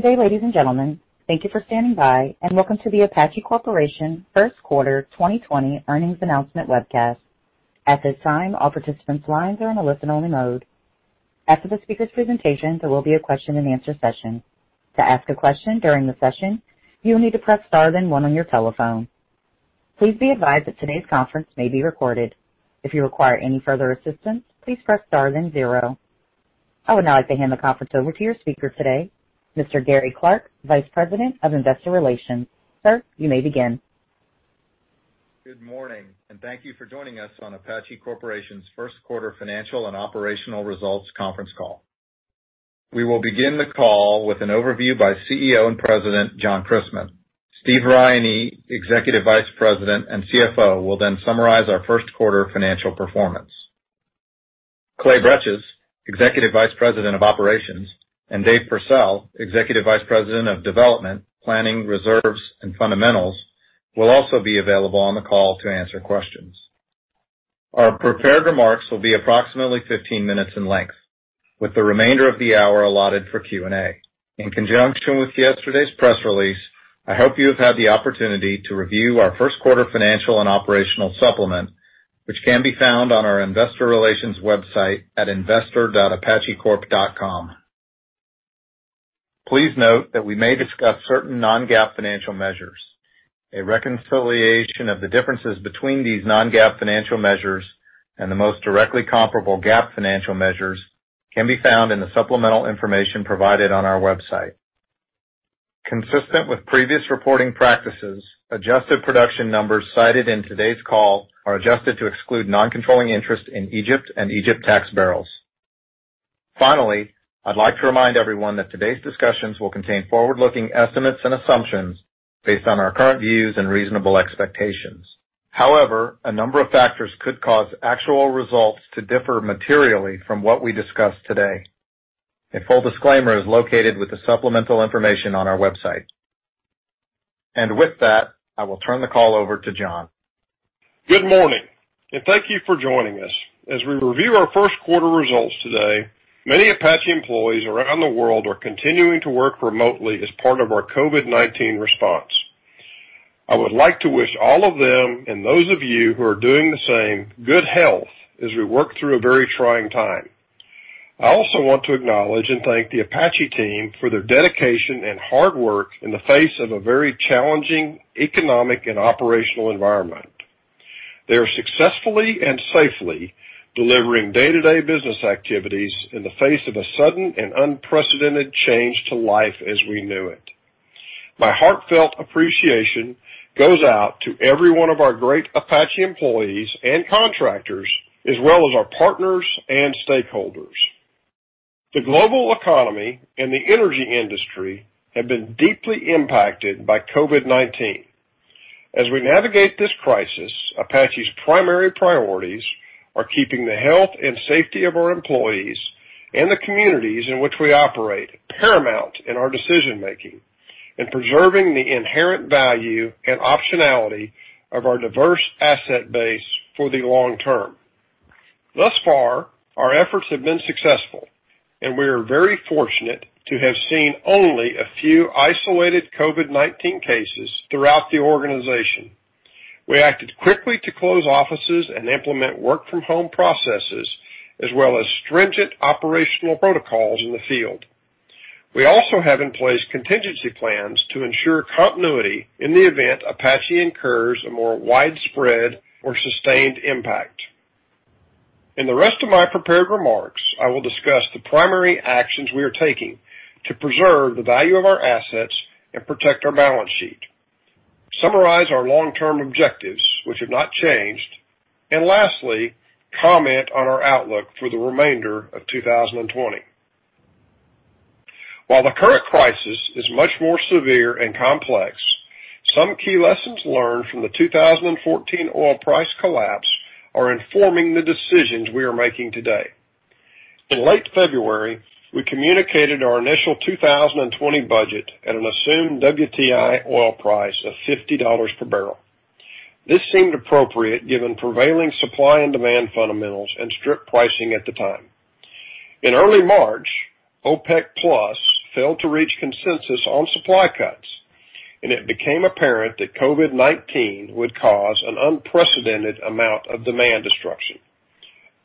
Good day, ladies and gentlemen. Thank you for standing by. Welcome to the Apache Corporation First Quarter 2020 Earnings Announcement Webcast. At this time, all participants' lines are in a listen-only mode. After the speaker's presentation, there will be a question and answer session. To ask a question during the session, you'll need to press star then one on your telephone. Please be advised that today's conference may be recorded. If you require any further assistance, please press star then zero. I would now like to hand the conference over to your speaker today, Mr. Gary Clark, Vice President of Investor Relations. Sir, you may begin. Good morning, and thank you for joining us on Apache Corporation's First Quarter Financial and Operational Results Conference Call. We will begin the call with an overview by CEO and President, John Christmann. Steve Riney, Executive Vice President and CFO, will then summarize our first quarter financial performance. Clay Bretches, Executive Vice President of Operations, and Dave Pursell, Executive Vice President of Development, Planning, Reserves, and Fundamentals, will also be available on the call to answer questions. Our prepared remarks will be approximately 15 minutes in length, with the remainder of the hour allotted for Q&A. In conjunction with yesterday's press release, I hope you have had the opportunity to review our first quarter financial and operational supplement, which can be found on our investor relations website at investor.apachecorp.com. Please note that we may discuss certain non-GAAP financial measures. A reconciliation of the differences between these non-GAAP financial measures and the most directly comparable GAAP financial measures can be found in the supplemental information provided on our website. Consistent with previous reporting practices, adjusted production numbers cited in today's call are adjusted to exclude non-controlling interest in Egypt and Egypt tax barrels. Finally, I'd like to remind everyone that today's discussions will contain forward-looking estimates and assumptions based on our current views and reasonable expectations. However, a number of factors could cause actual results to differ materially from what we discuss today. A full disclaimer is located with the supplemental information on our website. With that, I will turn the call over to John. Good morning, and thank you for joining us. As we review our first quarter results today, many Apache employees around the world are continuing to work remotely as part of our COVID-19 response. I would like to wish all of them, and those of you who are doing the same, good health as we work through a very trying time. I also want to acknowledge and thank the Apache team for their dedication and hard work in the face of a very challenging economic and operational environment. They are successfully and safely delivering day-to-day business activities in the face of a sudden and unprecedented change to life as we knew it. My heartfelt appreciation goes out to every one of our great Apache employees and contractors, as well as our partners and stakeholders. The global economy and the energy industry have been deeply impacted by COVID-19. As we navigate this crisis, APA's primary priorities are keeping the health and safety of our employees and the communities in which we operate paramount in our decision-making, and preserving the inherent value and optionality of our diverse asset base for the long term. Thus far, our efforts have been successful, and we are very fortunate to have seen only a few isolated COVID-19 cases throughout the organization. We acted quickly to close offices and implement work-from-home processes, as well as stringent operational protocols in the field. We also have in place contingency plans to ensure continuity in the event APA incurs a more widespread or sustained impact. In the rest of my prepared remarks, I will discuss the primary actions we are taking to preserve the value of our assets and protect our balance sheet, summarize our long-term objectives, which have not changed, and lastly, comment on our outlook for the remainder of 2020. While the current crisis is much more severe and complex, some key lessons learned from the 2014 oil price collapse are informing the decisions we are making today. In late February, we communicated our initial 2020 budget at an assumed WTI oil price of $50 per barrel. This seemed appropriate given prevailing supply and demand fundamentals and strip pricing at the time. In early March, OPEC Plus failed to reach consensus on supply cuts, and it became apparent that COVID-19 would cause an unprecedented amount of demand destruction.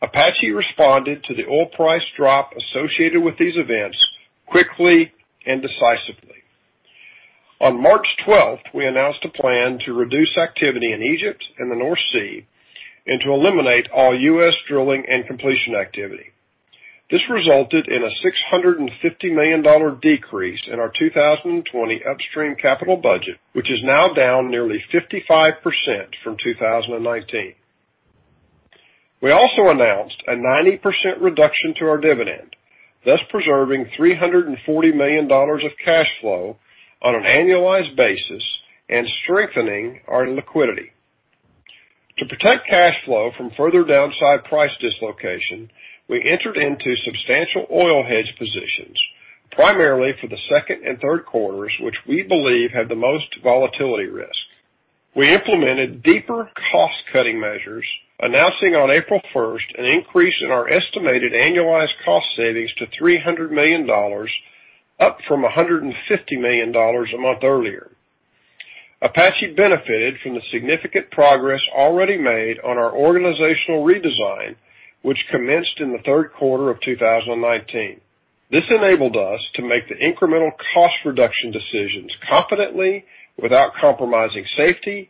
Apache responded to the oil price drop associated with these events quickly and decisively. On March 12th, we announced a plan to reduce activity in Egypt and the North Sea and to eliminate all U.S. drilling and completion activity. This resulted in a $650 million decrease in our 2020 upstream capital budget, which is now down nearly 55% from 2019. We also announced a 90% reduction to our dividend, thus preserving $340 million of cash flow on an annualized basis and strengthening our liquidity. To protect cash flow from further downside price dislocation, we entered into substantial oil hedge positions, primarily for the second and third quarters, which we believe have the most volatility risk. We implemented deeper cost-cutting measures, announcing on April 1st an increase in our estimated annualized cost savings to $300 million, up from $150 million a month earlier. Apache benefited from the significant progress already made on our organizational redesign, which commenced in the third quarter of 2019. This enabled us to make the incremental cost reduction decisions confidently without compromising safety,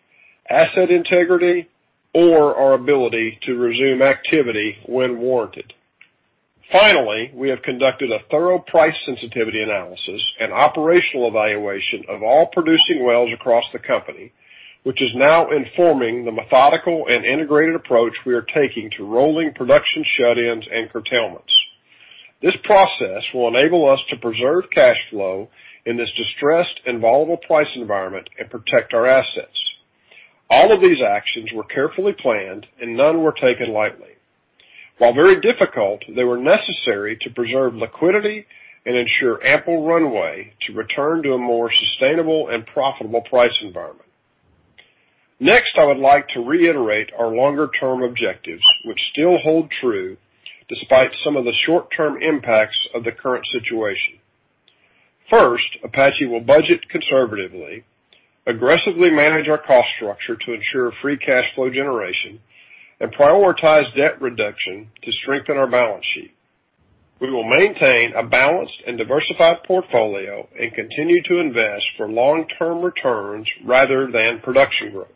asset integrity, or our ability to resume activity when warranted. Finally, we have conducted a thorough price sensitivity analysis and operational evaluation of all producing wells across the company, which is now informing the methodical and integrated approach we are taking to rolling production shutdowns and curtailments. This process will enable us to preserve cash flow in this distressed and volatile price environment and protect our assets. All of these actions were carefully planned and none were taken lightly. While very difficult, they were necessary to preserve liquidity and ensure ample runway to return to a more sustainable and profitable price environment. Next, I would like to reiterate our longer-term objectives, which still hold true despite some of the short-term impacts of the current situation. First, Apache will budget conservatively, aggressively manage our cost structure to ensure free cash flow generation, and prioritize debt reduction to strengthen our balance sheet. We will maintain a balanced and diversified portfolio and continue to invest for long-term returns rather than production growth.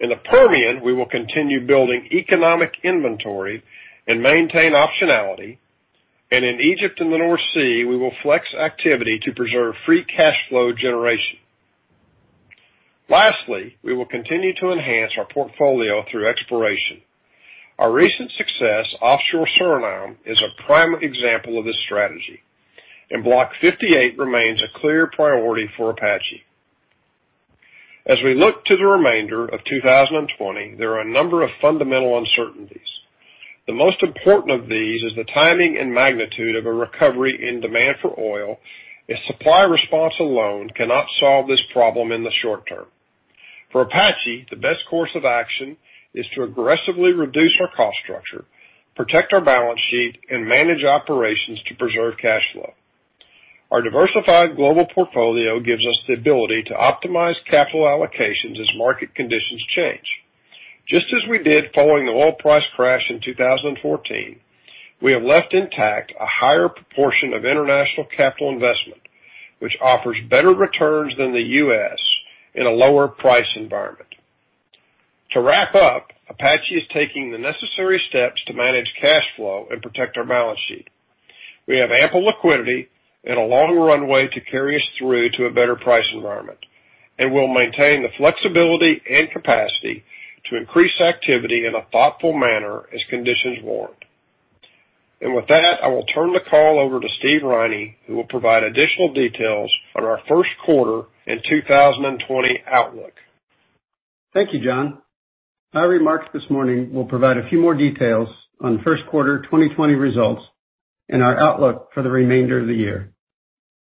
In the Permian, we will continue building economic inventory and maintain optionality. In Egypt and the North Sea, we will flex activity to preserve free cash flow generation. Lastly, we will continue to enhance our portfolio through exploration. Our recent success offshore Suriname is a prime example of this strategy, and Block 58 remains a clear priority for Apache. As we look to the remainder of 2020, there are a number of fundamental uncertainties. The most important of these is the timing and magnitude of a recovery in demand for oil, as supply response alone cannot solve this problem in the short term. For Apache, the best course of action is to aggressively reduce our cost structure, protect our balance sheet, and manage operations to preserve cash flow. Our diversified global portfolio gives us the ability to optimize capital allocations as market conditions change. Just as we did following the oil price crash in 2014, we have left intact a higher proportion of international capital investment, which offers better returns than the U.S. in a lower price environment. To wrap up, Apache is taking the necessary steps to manage cash flow and protect our balance sheet. We have ample liquidity and a long runway to carry us through to a better price environment, and we'll maintain the flexibility and capacity to increase activity in a thoughtful manner as conditions warrant. With that, I will turn the call over to Steve Riney, who will provide additional details on our first quarter and 2020 outlook. Thank you, John. My remarks this morning will provide a few more details on first quarter 2020 results and our outlook for the remainder of the year.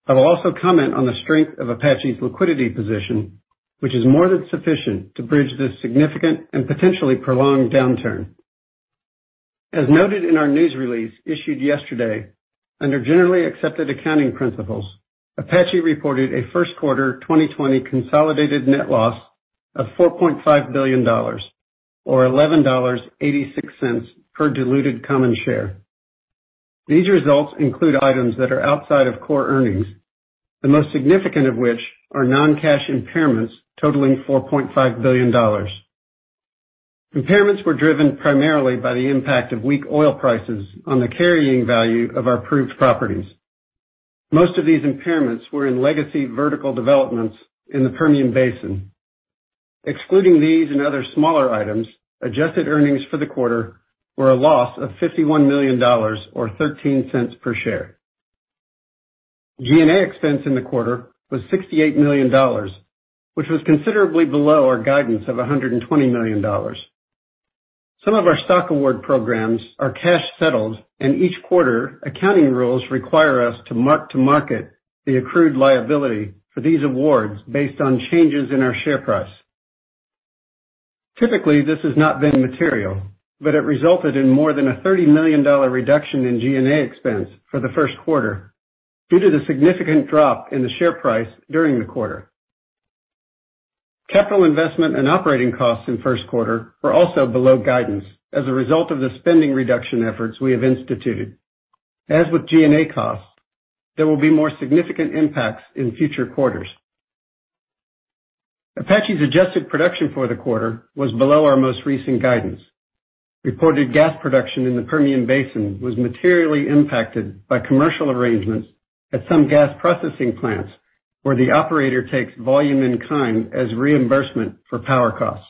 I will also comment on the strength of Apache's liquidity position, which is more than sufficient to bridge this significant and potentially prolonged downturn. As noted in our news release issued yesterday, under Generally Accepted Accounting Principles, Apache reported a first quarter 2020 consolidated net loss of $4.5 billion or $11.86 per diluted common share. These results include items that are outside of core earnings, the most significant of which are non-cash impairments totaling $4.5 billion. Impairments were driven primarily by the impact of weak oil prices on the carrying value of our proved properties. Most of these impairments were in legacy vertical developments in the Permian Basin. Excluding these and other smaller items, adjusted earnings for the quarter were a loss of $51 million or $0.13 per share. G&A expense in the quarter was $68 million, which was considerably below our guidance of $120 million. Some of our stock award programs are cash settled. Each quarter, accounting rules require us to mark to market the accrued liability for these awards based on changes in our share price. Typically, this has not been material. It resulted in more than a $30 million reduction in G&A expense for the first quarter due to the significant drop in the share price during the quarter. Capital investment and operating costs in first quarter were also below guidance as a result of the spending reduction efforts we have instituted. As with G&A costs, there will be more significant impacts in future quarters. Apache's adjusted production for the quarter was below our most recent guidance. Reported gas production in the Permian Basin was materially impacted by commercial arrangements at some gas processing plants where the operator takes volume in kind as reimbursement for power costs.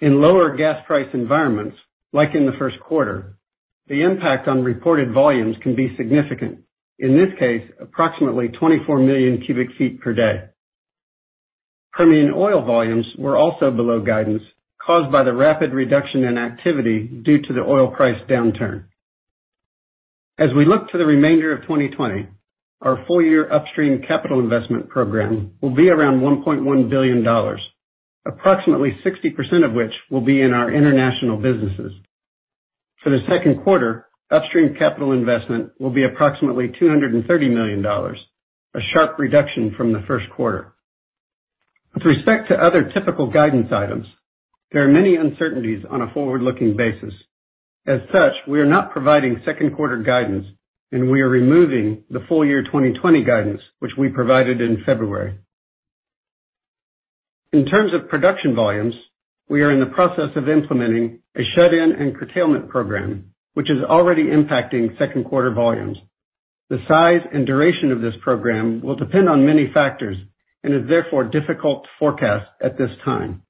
In lower gas price environments, like in the first quarter, the impact on reported volumes can be significant, in this case, approximately 24 million cubic feet per day. Permian oil volumes were also below guidance, caused by the rapid reduction in activity due to the oil price downturn. As we look to the remainder of 2020, our full-year upstream capital investment program will be around $1.1 billion, approximately 60% of which will be in our international businesses. For the second quarter, upstream capital investment will be approximately $230 million, a sharp reduction from the first quarter. With respect to other typical guidance items, there are many uncertainties on a forward-looking basis. As such, we are not providing second quarter guidance, and we are removing the full-year 2020 guidance, which we provided in February. In terms of production volumes, we are in the process of implementing a shut-in and curtailment program, which is already impacting second quarter volumes. The size and duration of this program will depend on many factors and is therefore difficult to forecast at this time.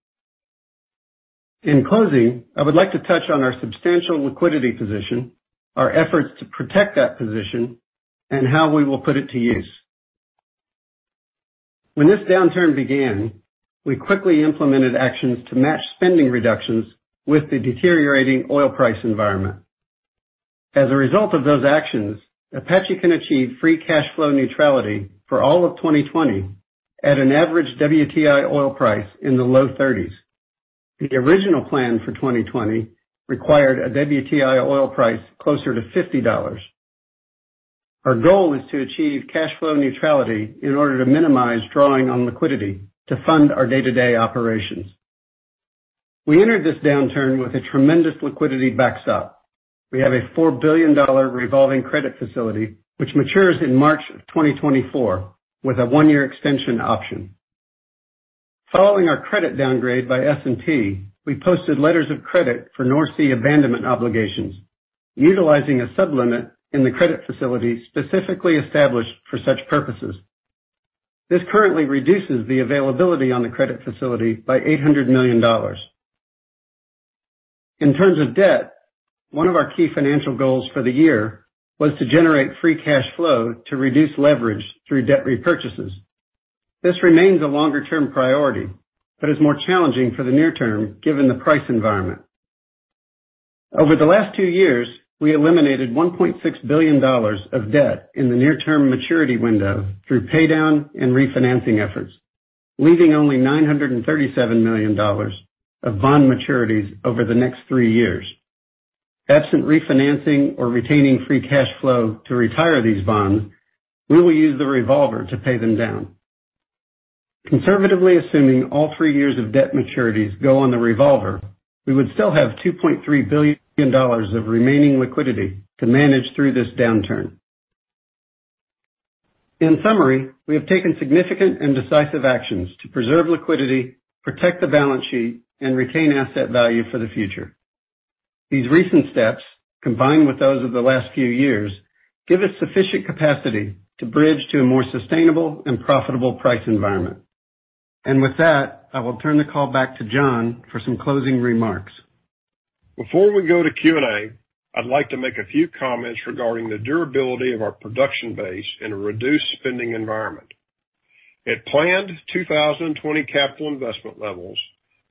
In closing, I would like to touch on our substantial liquidity position, our efforts to protect that position, and how we will put it to use. When this downturn began, we quickly implemented actions to match spending reductions with the deteriorating oil price environment. As a result of those actions, Apache can achieve free cash flow neutrality for all of 2020 at an average WTI oil price in the low $30s. The original plan for 2020 required a WTI oil price closer to $50. Our goal is to achieve cash flow neutrality in order to minimize drawing on liquidity to fund our day-to-day operations. We entered this downturn with a tremendous liquidity backstop. We have a $4 billion revolving credit facility, which matures in March of 2024, with a one-year extension option. Following our credit downgrade by S&P, we posted letters of credit for North Sea abandonment obligations, utilizing a sub-limit in the credit facility specifically established for such purposes. This currently reduces the availability on the credit facility by $800 million. In terms of debt, one of our key financial goals for the year was to generate free cash flow to reduce leverage through debt repurchases. This remains a longer-term priority, but is more challenging for the near term given the price environment. Over the last two years, we eliminated $1.6 billion of debt in the near-term maturity window through paydown and refinancing efforts, leaving only $937 million of bond maturities over the next three years. Absent refinancing or retaining free cash flow to retire these bonds, we will use the revolver to pay them down. Conservatively assuming all three years of debt maturities go on the revolver, we would still have $2.3 billion of remaining liquidity to manage through this downturn. In summary, we have taken significant and decisive actions to preserve liquidity, protect the balance sheet, and retain asset value for the future. These recent steps, combined with those of the last few years, give us sufficient capacity to bridge to a more sustainable and profitable price environment. With that, I will turn the call back to John for some closing remarks. Before we go to Q&A, I'd like to make a few comments regarding the durability of our production base in a reduced spending environment. At planned 2020 capital investment levels,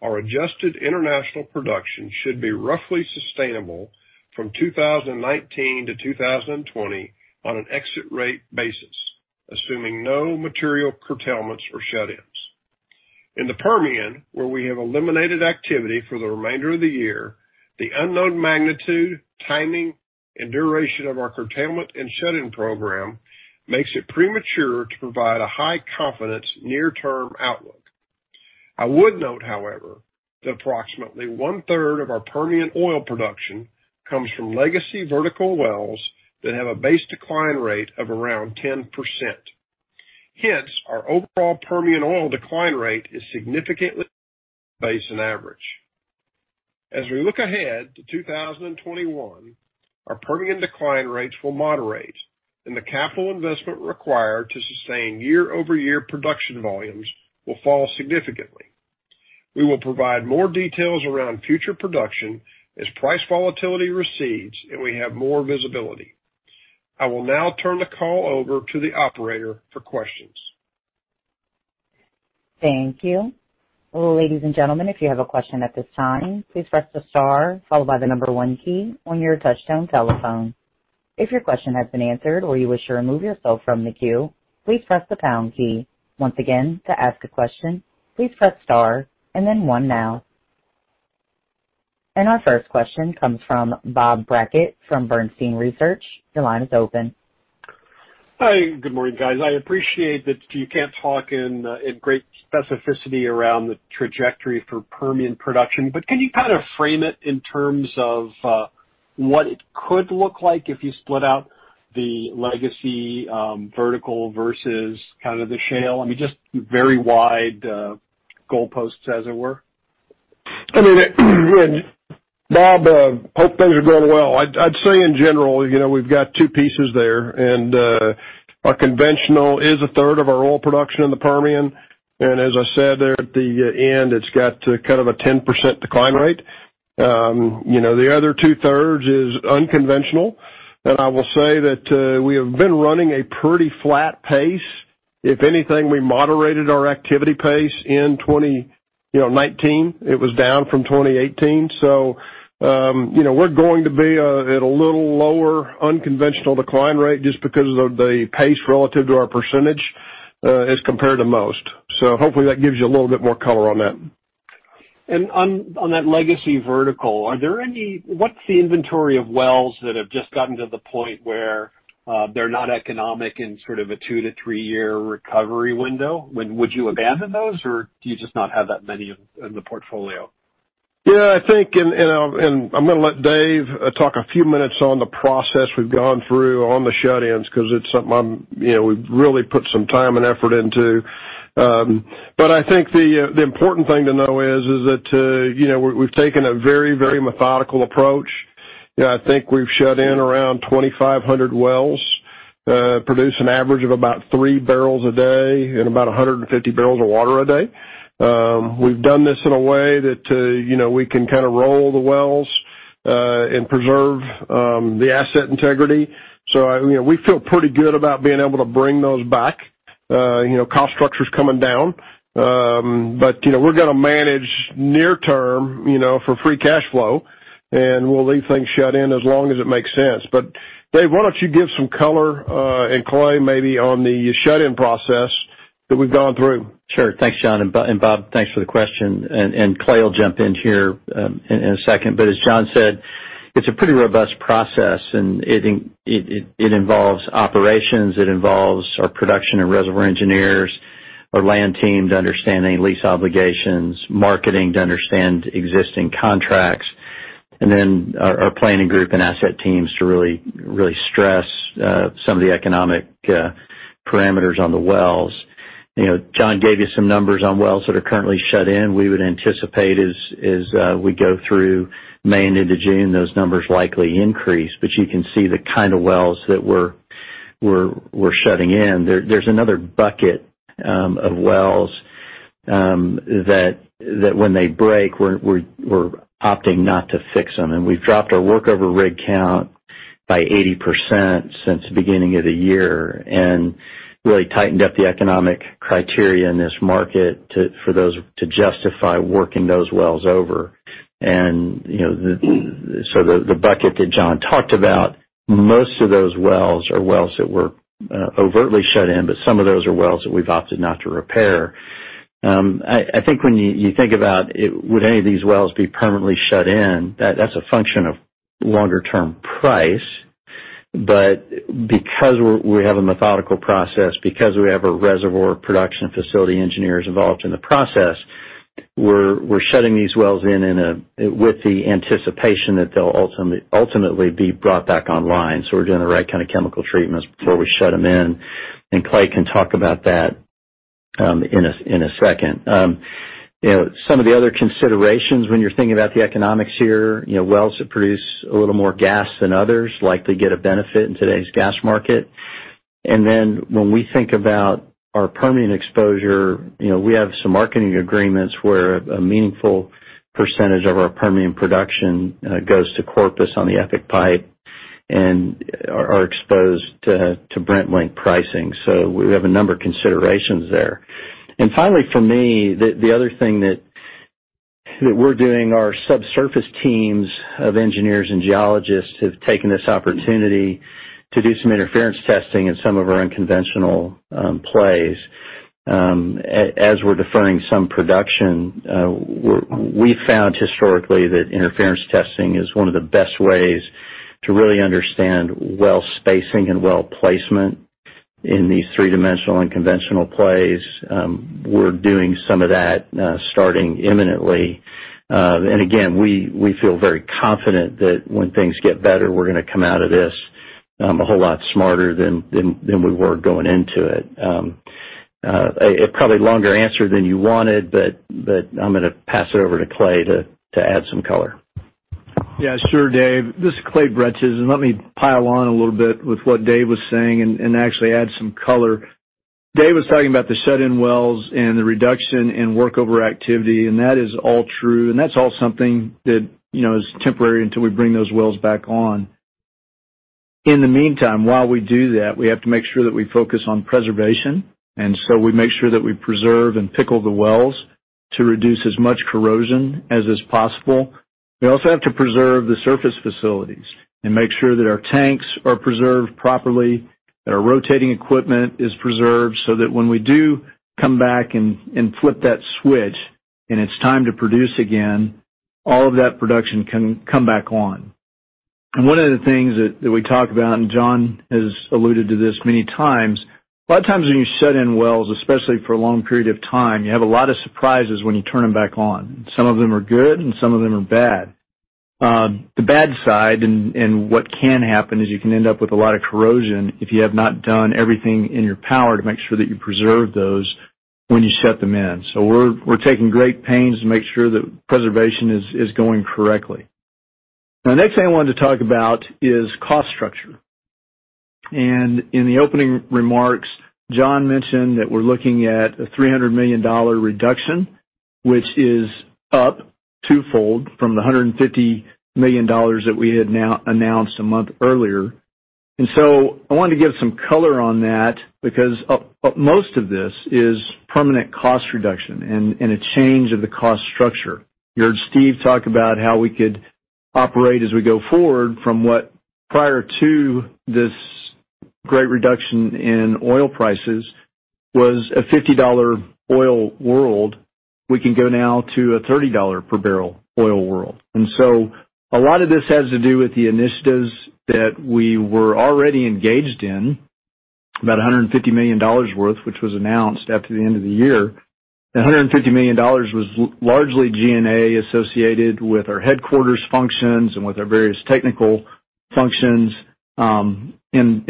our adjusted international production should be roughly sustainable from 2019-2020 on an exit rate basis, assuming no material curtailments or shut-ins. In the Permian, where we have eliminated activity for the remainder of the year, the unknown magnitude, timing, and duration of our curtailment and shut-in program makes it premature to provide a high-confidence near-term outlook. I would note, however, that approximately one-third of our Permian oil production comes from legacy vertical wells that have a base decline rate of around 10%. Hence, our overall Permian oil decline rate is significantly base and average. As we look ahead to 2021, our Permian decline rates will moderate, and the capital investment required to sustain year-over-year production volumes will fall significantly. We will provide more details around future production as price volatility recedes and we have more visibility. I will now turn the call over to the operator for questions. Thank you. Ladies and gentlemen, if you have a question at this time, please press the star followed by the number one key on your touchtone telephone. If your question has been answered or you wish to remove yourself from the queue, please press the pound key. Once again, to ask a question, please press star and then one now. Our first question comes from Bob Brackett from Bernstein Research. Your line is open. Hi, good morning, guys. I appreciate that you can't talk in great specificity around the trajectory for Permian production, but can you kind of frame it in terms of what it could look like if you split out the legacy vertical versus the shale? I mean, just very wide goalposts, as it were. Bob, hope things are going well. I'd say in general, we've got two pieces there. Our conventional is a 1/3 of our oil production in the Permian. As I said there at the end, it's got kind of a 10% decline rate. The other two-thirds is unconventional. I will say that we have been running a pretty flat pace. If anything, we moderated our activity pace in 2019, it was down from 2018. We're going to be at a little lower unconventional decline rate just because of the pace relative to our percentage as compared to most. Hopefully that gives you a little bit more color on that. On that legacy vertical, what's the inventory of wells that have just gotten to the point where they're not economic in sort of a two-to-three-year recovery window? Would you abandon those, or do you just not have that many in the portfolio? Yeah, I think, I'm going to let Dave talk a few minutes on the process we've gone through on the shut-ins because it's something we've really put some time and effort into. I think the important thing to know is that we've taken a very methodical approach. I think we've shut in around 2,500 wells, produce an average of about three barrels a day and about 150 barrels of water a day. We've done this in a way that we can kind of roll the wells and preserve the asset integrity. We feel pretty good about being able to bring those back. Cost structure's coming down. We're going to manage near term for free cash flow, and we'll leave things shut in as long as it makes sense. Dave, why don't you give some color, and Clay maybe, on the shut-in process that we've gone through? Sure. Thanks, John, and Bob, thanks for the question. Clay will jump in here in one second. As John said, it's a pretty robust process, and it involves operations, it involves our production and reservoir engineers, our land team to understanding lease obligations, marketing to understand existing contracts, and then our planning group and asset teams to really stress some of the economic parameters on the wells. John gave you some numbers on wells that are currently shut in. We would anticipate as we go through May into June, those numbers likely increase. You can see the kind of wells that we're shutting in. There's another bucket of wells that when they break, we're opting not to fix them. We've dropped our workover rig count by 80% since the beginning of the year and really tightened up the economic criteria in this market to justify working those wells over. The bucket that John talked about, most of those wells are wells that were overtly shut in, but some of those are wells that we've opted not to repair. I think when you think about would any of these wells be permanently shut in, that's a function of longer-term price. Because we have a methodical process, because we have our reservoir production facility engineers involved in the process, we're shutting these wells in with the anticipation that they'll ultimately be brought back online. We're doing the right kind of chemical treatments before we shut them in. Clay Bretches can talk about that in a second. Some of the other considerations when you're thinking about the economics here, wells that produce a little more gas than others likely get a benefit in today's gas market. When we think about our Permian exposure, we have some marketing agreements where a meaningful percentage of our Permian production goes to Corpus on the EPIC Pipe and are exposed to Brent-linked pricing. We have a number of considerations there. Finally for me, the other thing that we're doing, our subsurface teams of engineers and geologists have taken this opportunity to do some interference testing in some of our unconventional plays. As we're deferring some production, we've found historically that interference testing is one of the best ways to really understand well spacing and well placement in these three-dimensional unconventional plays. We're doing some of that starting imminently. Again, we feel very confident that when things get better, we're going to come out of this a whole lot smarter than we were going into it. Probably a longer answer than you wanted, I'm going to pass it over to Clay to add some color. Yeah, sure, Dave. This is Clay Bretches. Let me pile on a little bit with what Dave was saying and actually add some color. Dave was talking about the shut-in wells and the reduction in workover activity, that is all true, and that's all something that is temporary until we bring those wells back on. In the meantime, while we do that, we have to make sure that we focus on preservation, we make sure that we preserve and pickle the wells to reduce as much corrosion as is possible. We also have to preserve the surface facilities and make sure that our tanks are preserved properly, that our rotating equipment is preserved so that when we do come back and flip that switch and it's time to produce again, all of that production can come back on. One of the things that we talk about, and John has alluded to this many times, a lot of times when you shut in wells, especially for a long period of time, you have a lot of surprises when you turn them back on. Some of them are good and some of them are bad. The bad side, and what can happen, is you can end up with a lot of corrosion if you have not done everything in your power to make sure that you preserve those when you shut them in. We're taking great pains to make sure that preservation is going correctly. The next thing I wanted to talk about is cost structure. In the opening remarks, John mentioned that we're looking at a $300 million reduction, which is up twofold from the $150 million that we had announced a month earlier. I wanted to give some color on that because most of this is permanent cost reduction and a change of the cost structure. You heard Steve talk about how we could operate as we go forward from what, prior to this great reduction in oil prices, was a $50 oil world, we can go now to a $30 per barrel oil world. A lot of this has to do with the initiatives that we were already engaged in, about $150 million worth, which was announced after the end of the year. That $150 million was largely G&A associated with our headquarters functions and with our various technical functions in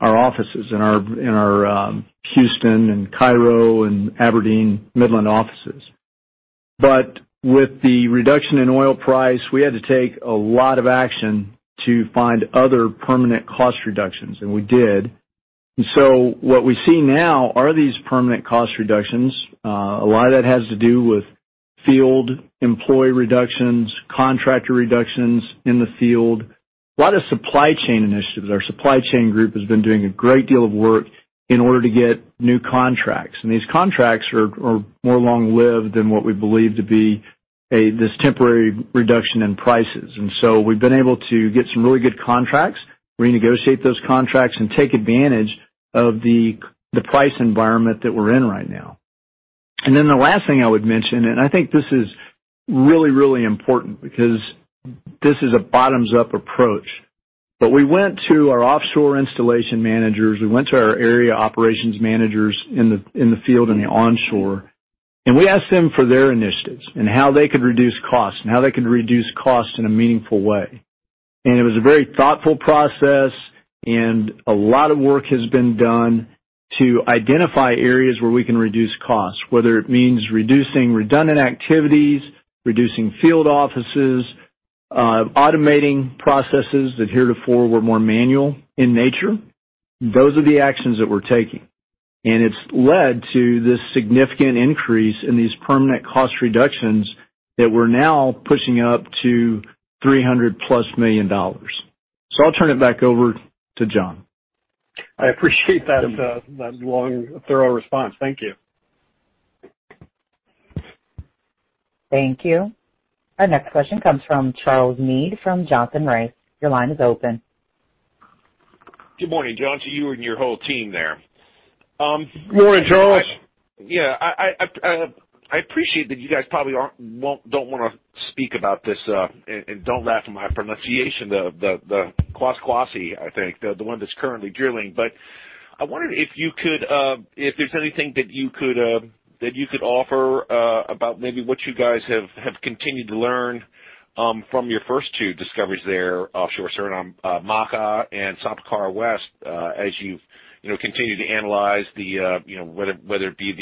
our offices, in our Houston and Cairo and Aberdeen, Midland offices. With the reduction in oil price, we had to take a lot of action to find other permanent cost reductions, and we did. What we see now are these permanent cost reductions. A lot of that has to do with field employee reductions, contractor reductions in the field, a lot of supply chain initiatives. Our supply chain group has been doing a great deal of work in order to get new contracts, and these contracts are more long-lived than what we believe to be this temporary reduction in prices. We've been able to get some really good contracts, renegotiate those contracts, and take advantage of the price environment that we're in right now. The last thing I would mention, and I think this is really, really important because this is a bottoms-up approach. We went to our offshore installation managers, we went to our area operations managers in the field and the onshore, and we asked them for their initiatives and how they could reduce costs in a meaningful way. It was a very thoughtful process, and a lot of work has been done to identify areas where we can reduce costs, whether it means reducing redundant activities, reducing field offices, automating processes that heretofore were more manual in nature. Those are the actions that we're taking. It's led to this significant increase in these permanent cost reductions that we're now pushing up to $300+ million. I'll turn it back over to John. I appreciate that long, thorough response. Thank you. Thank you. Our next question comes from Charles Meade from Johnson Rice. Your line is open. Good morning, John, to you and your whole team there. Good morning, Charles. Yeah. I appreciate that you guys probably don't want to speak about this, and don't laugh at my pronunciation, the Kwaskwasi, I think, the one that's currently drilling. I wondered if there's anything that you could offer about maybe what you guys have continued to learn from your first two discoveries there offshore Suriname, Maka and Sapakara West, as you've continued to analyze, whether it be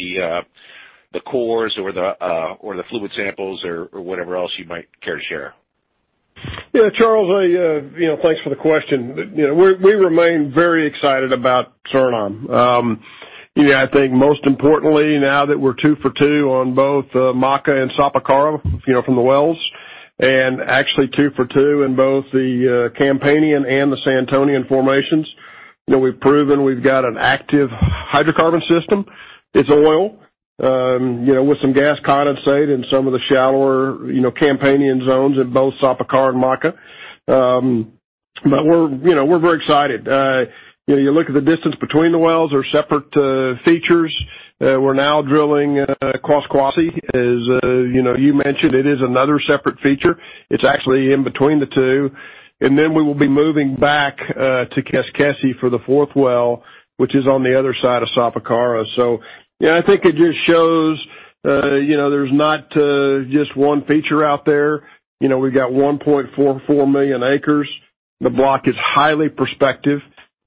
the cores or the fluid samples or whatever else you might care to share? Yeah, Charles, thanks for the question. We remain very excited about Suriname. I think most importantly, now that we're two for two on both Maka and Sapakara from the wells, and actually two for two in both the Campanian and the Santonian formations. We've proven we've got an active hydrocarbon system. It's oil, with some gas condensate in some of the shallower Campanian zones at both Sapakara and Maka. We're very excited. You look at the distance between the wells, they're separate features. We're now drilling Kwaskwasi. As you mentioned, it is another separate feature. It's actually in between the two. We will be moving back to Keskesi for the fourth well, which is on the other side of Sapakara. I think it just shows there's not just one feature out there. We've got 1.44 million acres. The block is highly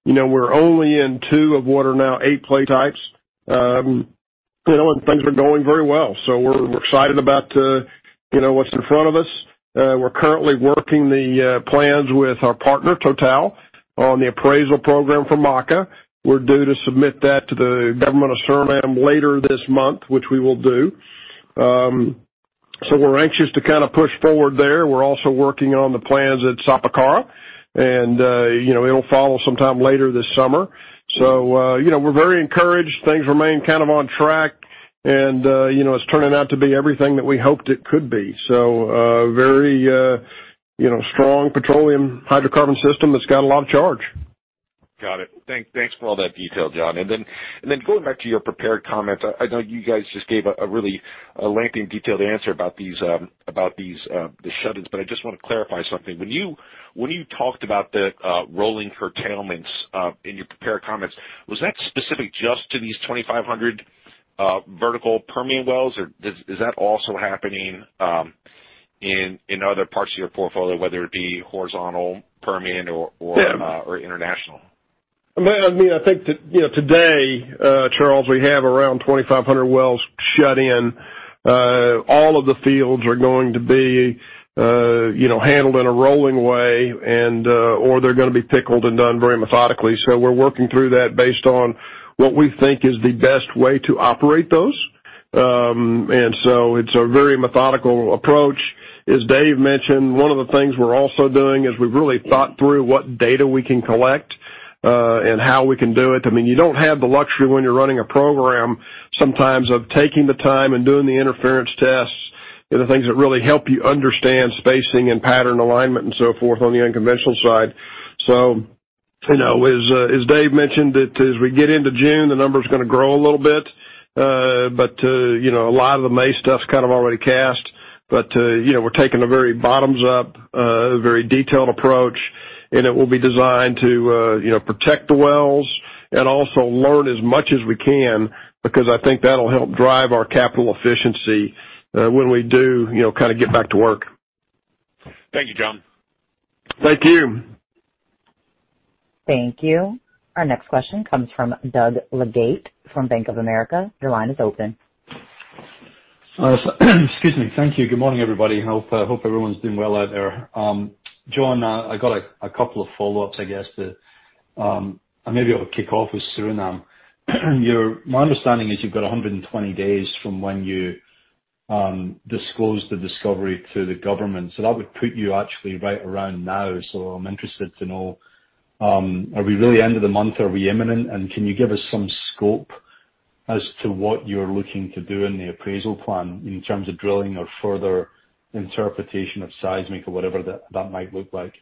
prospective. We're only in two of what are now eight play types. Things are going very well. We're excited about what's in front of us. We're currently working the plans with our partner, Total, on the appraisal program for Maka. We're due to submit that to the government of Suriname later this month, which we will do. We're anxious to kind of push forward there. We're also working on the plans at Sapakara, and it'll follow sometime later this summer. We're very encouraged. Things remain kind of on track and it's turning out to be everything that we hoped it could be. A very strong petroleum hydrocarbon system that's got a lot of charge. Got it. Thanks for all that detail, John. Then going back to your prepared comments, I know you guys just gave a really lengthy and detailed answer about the shut-ins, but I just want to clarify something. When you talked about the rolling curtailments in your prepared comments, was that specific just to these 2,500 vertical Permian wells, or is that also happening in other parts of your portfolio, whether it be horizontal, Permian, or international? I think that today, Charles, we have around 2,500 wells shut in. All of the fields are going to be handled in a rolling way, or they're going to be pickled and done very methodically. We're working through that based on what we think is the best way to operate those. It's a very methodical approach. As Dave mentioned, one of the things we're also doing is we've really thought through what data we can collect, and how we can do it. You don't have the luxury when you're running a program, sometimes of taking the time and doing the interference tests and the things that really help you understand spacing and pattern alignment and so forth on the unconventional side. As Dave mentioned, as we get into June, the number's going to grow a little bit. A lot of the May stuff's already cast. We're taking a very bottoms-up, very detailed approach. It will be designed to protect the wells and also learn as much as we can, because I think that'll help drive our capital efficiency, when we do get back to work. Thank you, John. Thank you. Thank you. Our next question comes from Doug Leggate from Bank of America. Your line is open. Excuse me. Thank you. Good morning, everybody. Hope everyone's doing well out there. John, I got a couple of follow-ups, I guess. Maybe I'll kick off with Suriname. My understanding is you've got 120 days from when you disclosed the discovery to the government, so that would put you actually right around now. I'm interested to know, are we really end of the month, are we imminent? Can you give us some scope as to what you're looking to do in the appraisal plan in terms of drilling or further interpretation of seismic or whatever that might look like?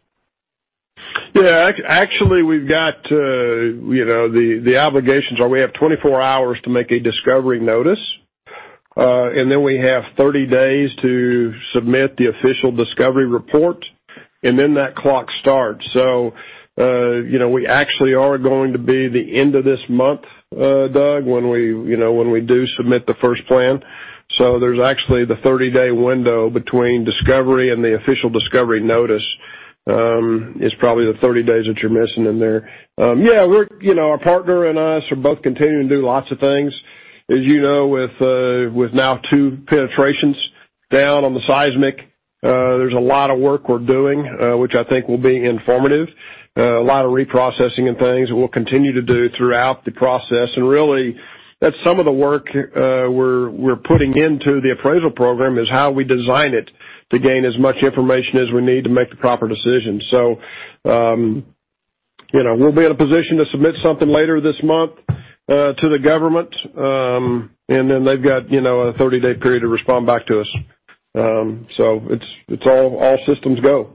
Yeah. Actually, the obligations are, we have 24 hours to make a discovery notice. Then we have 30 days to submit the official discovery report, and then that clock starts. We actually are going to be the end of this month, Doug, when we do submit the first plan. There's actually the 30-day window between discovery and the official discovery notice, is probably the 30 days that you're missing in there. Our partner and us are both continuing to do lots of things. As you know, with now two penetrations down on the seismic, there's a lot of work we're doing, which I think will be informative. A lot of reprocessing and things that we'll continue to do throughout the process. Really, that's some of the work we're putting into the appraisal program, is how we design it to gain as much information as we need to make the proper decisions. We'll be in a position to submit something later this month to the government. Then they've got a 30-day period to respond back to us. It's all systems go.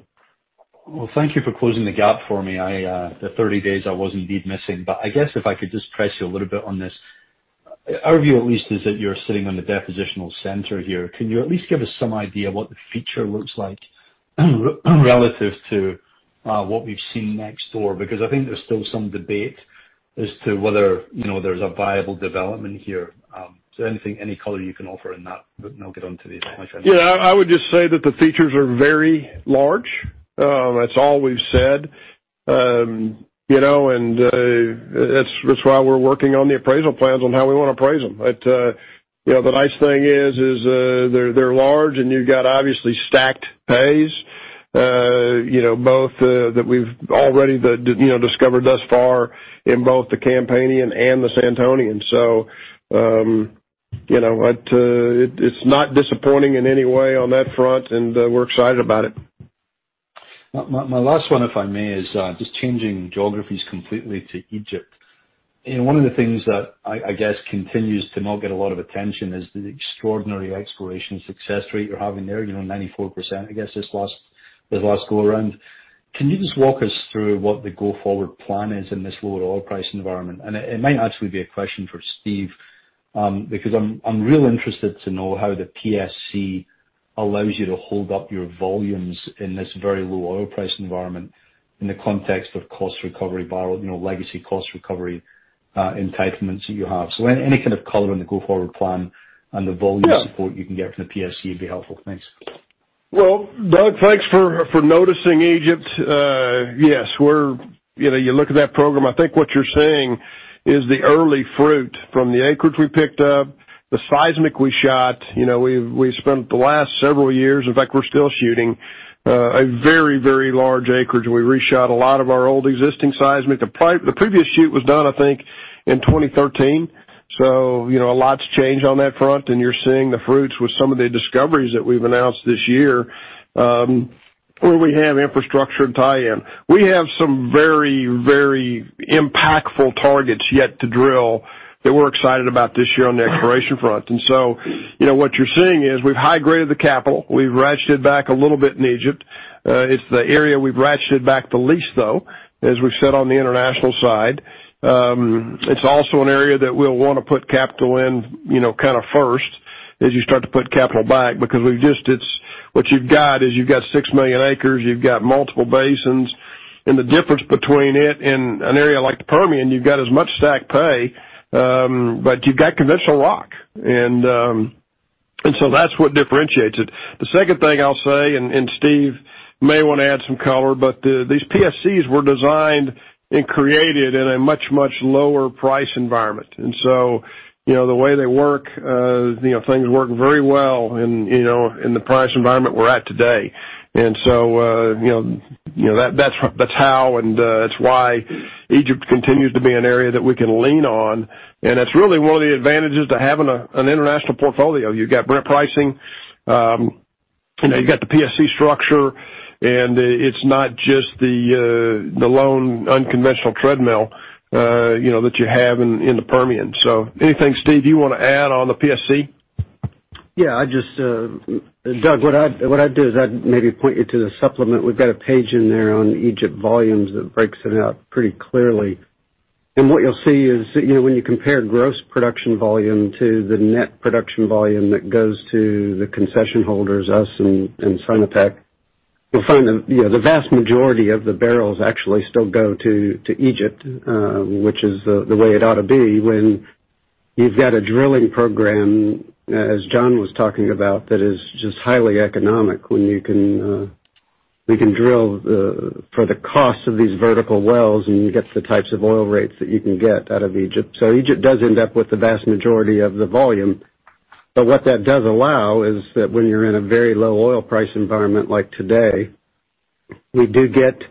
Well, thank you for closing the gap for me. The 30 days I was indeed missing. I guess if I could just press you a little bit on this. Our view, at least, is that you're sitting on the depositional center here. Can you at least give us some idea what the feature looks like relative to what we've seen next door? Because I think there's still some debate as to whether there's a viable development here. Any color you can offer in that? And I'll get onto the other question. I would just say that the features are very large. That's all we've said. That's why we're working on the appraisal plans on how we want to appraise them. The nice thing is, they're large, and you've got obviously stacked pays, both that we've already discovered thus far in both the Campanian and the Santonian. It's not disappointing in any way on that front, and we're excited about it. My last one, if I may, is just changing geographies completely to Egypt. One of the things that I guess continues to not get a lot of attention is the extraordinary exploration success rate you're having there, 94%, I guess, this last go around. Can you just walk us through what the go-forward plan is in this lower oil price environment? It might actually be a question for Steve, because I'm real interested to know how the PSC allows you to hold up your volumes in this very low oil price environment in the context of cost recovery, legacy cost recovery entitlements that you have. Any kind of color on the go-forward plan and the volume support you can get from the PSC would be helpful. Thanks. Well, Doug, thanks for noticing Egypt. Yes, you look at that program, I think what you're seeing is the early fruit from the acreage we picked up, the seismic we shot. We've spent the last several years, in fact, we're still shooting a very, very large acreage, and we reshot a lot of our old existing seismic. The previous shoot was done, I think, in 2013. A lot's changed on that front, and you're seeing the fruits with some of the discoveries that we've announced this year, where we have infrastructure to tie in. We have some very, very impactful targets yet to drill that we're excited about this year on the exploration front. What you're seeing is we've high-graded the capital. We've ratcheted back a little bit in Egypt. It's the area we've ratcheted back the least, though, as we've said on the international side. It's also an area that we'll want to put capital in first as you start to put capital back. What you've got is you've got six million acres, you've got multiple basins, and the difference between it and an area like the Permian, you've got as much stacked pay, but you've got conventional rock. That's what differentiates it. The second thing I'll say, and Steve may want to add some color, but these PSCs were designed and created in a much, much lower price environment. The way they work, things work very well in the price environment we're at today. That's how and that's why Egypt continues to be an area that we can lean on. That's really one of the advantages to having an international portfolio. You've got Brent pricing, you've got the PSC structure, and it's not just the lone unconventional treadmill that you have in the Permian. Anything, Steve, you want to add on the PSC? Yeah, Doug, what I'd do is I'd maybe point you to the supplement. We've got a page in there on Egypt volumes that breaks it out pretty clearly. What you'll see is when you compare gross production volume to the net production volume that goes to the concession holders, us and Sinopec, you'll find the vast majority of the barrels actually still go to Egypt, which is the way it ought to be when you've got a drilling program, as John was talking about, that is just highly economic when we can drill for the cost of these vertical wells, and you get the types of oil rates that you can get out of Egypt. Egypt does end up with the vast majority of the volume. What that does allow is that when you're in a very low oil price environment like today, we do get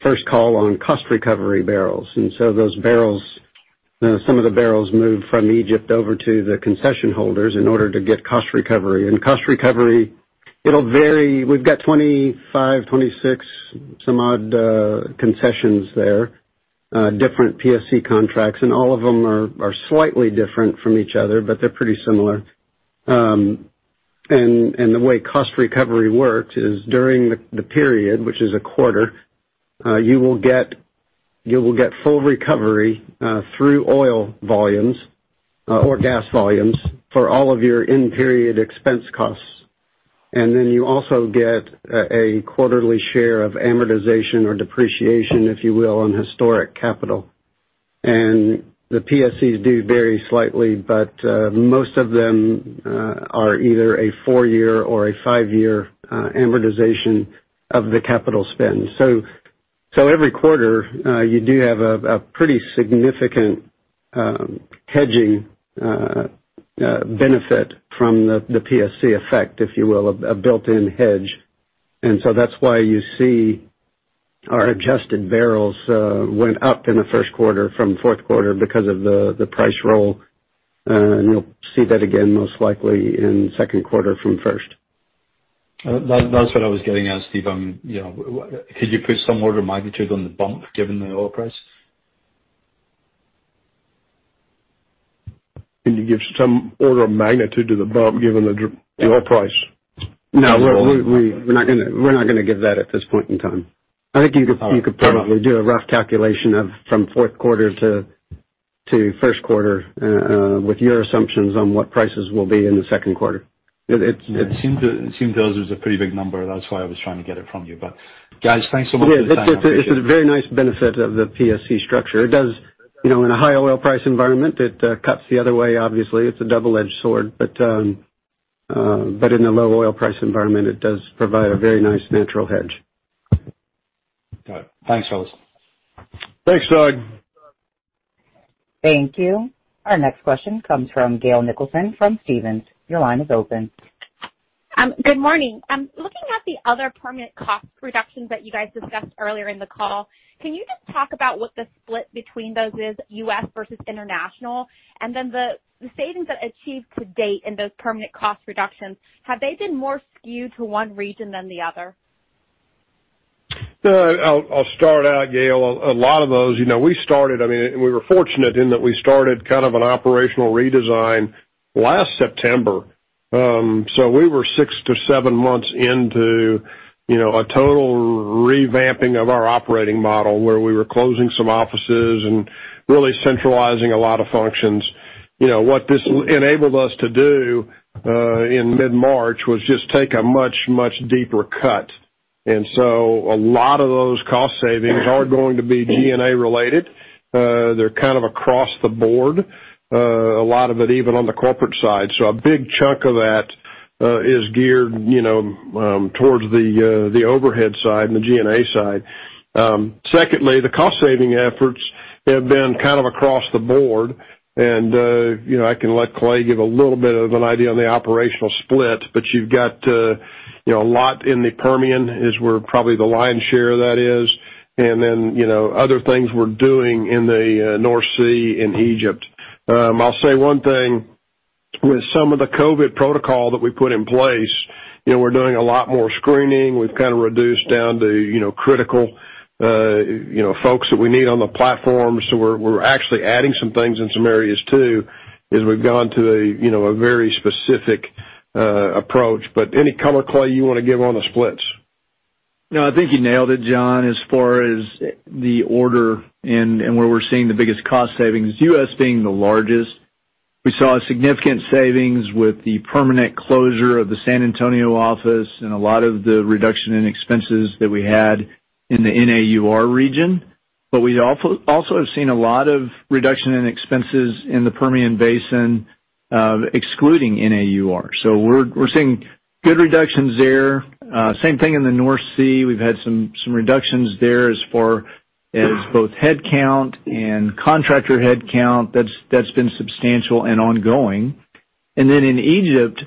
first call on cost recovery barrels. Some of the barrels move from Egypt over to the concession holders in order to get cost recovery. Cost recovery, it'll vary. We've got 25, 26, some odd concessions there, different PSC contracts, and all of them are slightly different from each other, but they're pretty similar. The way cost recovery works is during the period, which is a quarter, you will get full recovery through oil volumes or gas volumes for all of your in-period expense costs. You also get a quarterly share of amortization or depreciation, if you will, on historic capital. The PSCs do vary slightly, but most of them are either a four-year or a five-year amortization of the capital spend. Every quarter, you do have a pretty significant hedging benefit from the PSC effect, if you will, a built-in hedge. That's why you see our adjusted barrels went up in the first quarter from fourth quarter because of the price roll. You'll see that again, most likely in second quarter from first. That's what I was getting at, Steve. Could you put some order of magnitude on the bump, given the oil price? Can you give some order of magnitude to the bump given the oil price? No, we're not gonna give that at this point in time. I think you could probably do a rough calculation from fourth quarter to first quarter with your assumptions on what prices will be in the second quarter. It seemed to us it was a pretty big number. That's why I was trying to get it from you. Guys, thanks so much for the time. Appreciate it. It's a very nice benefit of the PSC structure. In a high oil price environment, it cuts the other way, obviously. It's a double-edged sword. In a low oil price environment, it does provide a very nice natural hedge. Got it. Thanks, fellas. Thanks, Doug. Thank you. Our next question comes from Gail Nicholson from Stephens. Your line is open. Good morning. Looking at the other permanent cost reductions that you guys discussed earlier in the call, can you just talk about what the split between those is, U.S. versus international? The savings that achieved to date in those permanent cost reductions, have they been more skewed to one region than the other? I'll start out, Gail. A lot of those, we were fortunate in that we started an operational redesign last September. We were six to seven months into a total revamping of our operating model, where we were closing some offices and really centralizing a lot of functions. What this enabled us to do in mid-March was just take a much, much deeper cut. A lot of those cost savings are going to be G&A related. They're across the board. A lot of it even on the corporate side. A big chunk of that is geared towards the overhead side and the G&A side. Secondly, the cost-saving efforts have been across the board, and I can let Clay give a little bit of an idea on the operational split, but you've got a lot in the Permian is where probably the lion's share of that is, and then other things we're doing in the North Sea, in Egypt. I'll say one thing, with some of the COVID protocol that we put in place, we're doing a lot more screening. We've reduced down to critical folks that we need on the platform. We're actually adding some things in some areas too, as we've gone to a very specific approach. Any color, Clay, you want to give on the splits? No, I think you nailed it, John, as far as the order and where we're seeing the biggest cost savings, U.S. being the largest. We saw a significant savings with the permanent closure of the San Antonio office and a lot of the reduction in expenses that we had in the NAUR region. We also have seen a lot of reduction in expenses in the Permian Basin, excluding NAUR. We're seeing good reductions there. Same thing in the North Sea. We've had some reductions there as far as both headcount and contractor headcount. That's been substantial and ongoing. In Egypt,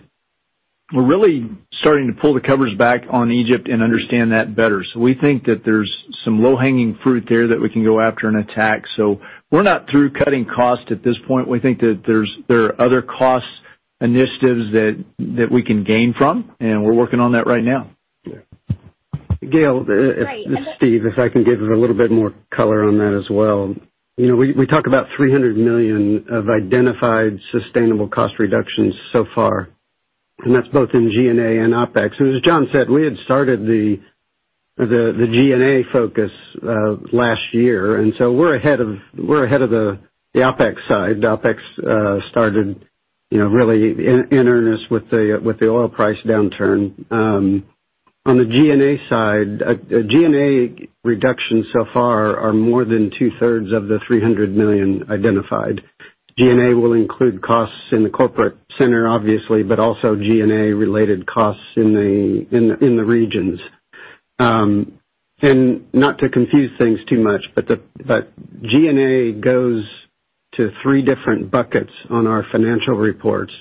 we're really starting to pull the covers back on Egypt and understand that better. We think that there's some low-hanging fruit there that we can go after and attack. We're not through cutting costs at this point. We think that there are other cost initiatives that we can gain from, and we're working on that right now. Right. Steve, if I can give a little bit more color on that as well. We talk about $300 million of identified sustainable cost reductions so far, and that's both in G&A and OPEX. As John said, we had started the G&A focus last year, and so we're ahead of the OPEX side. The OPEX started really in earnest with the oil price downturn. On the G&A side, G&A reductions so far are more than two-thirds of the $300 million identified. G&A will include costs in the corporate center, obviously, but also G&A-related costs in the regions. Not to confuse things too much, G&A goes to three different buckets on our financial reports.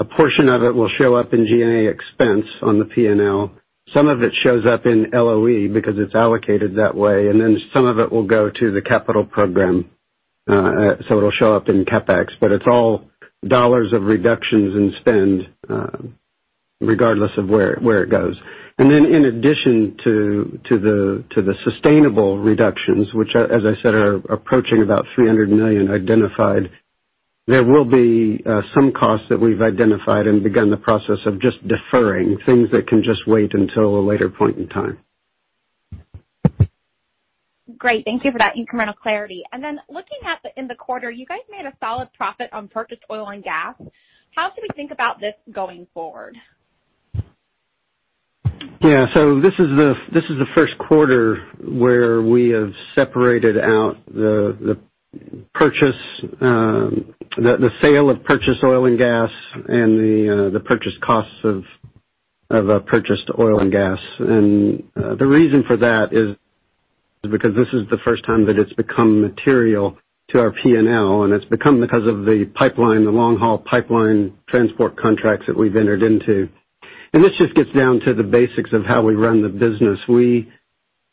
A portion of it will show up in G&A expense on the P&L. Some of it shows up in LOE because it's allocated that way, some of it will go to the capital program, so it'll show up in CapEx. It's all dollars of reductions in spend regardless of where it goes. In addition to the sustainable reductions, which, as I said, are approaching about $300 million identified, there will be some costs that we've identified and begun the process of just deferring, things that can just wait until a later point in time. Great. Thank you for that incremental clarity. Looking in the quarter, you guys made a solid profit on purchased oil and gas. How should we think about this going forward? Yeah. This is the first quarter where we have separated out the sale of purchased oil and gas and the purchased costs of purchased oil and gas. The reason for that is because this is the first time that it's become material to our P&L, and it's become because of the pipeline, the long-haul pipeline transport contracts that we've entered into. This just gets down to the basics of how we run the business.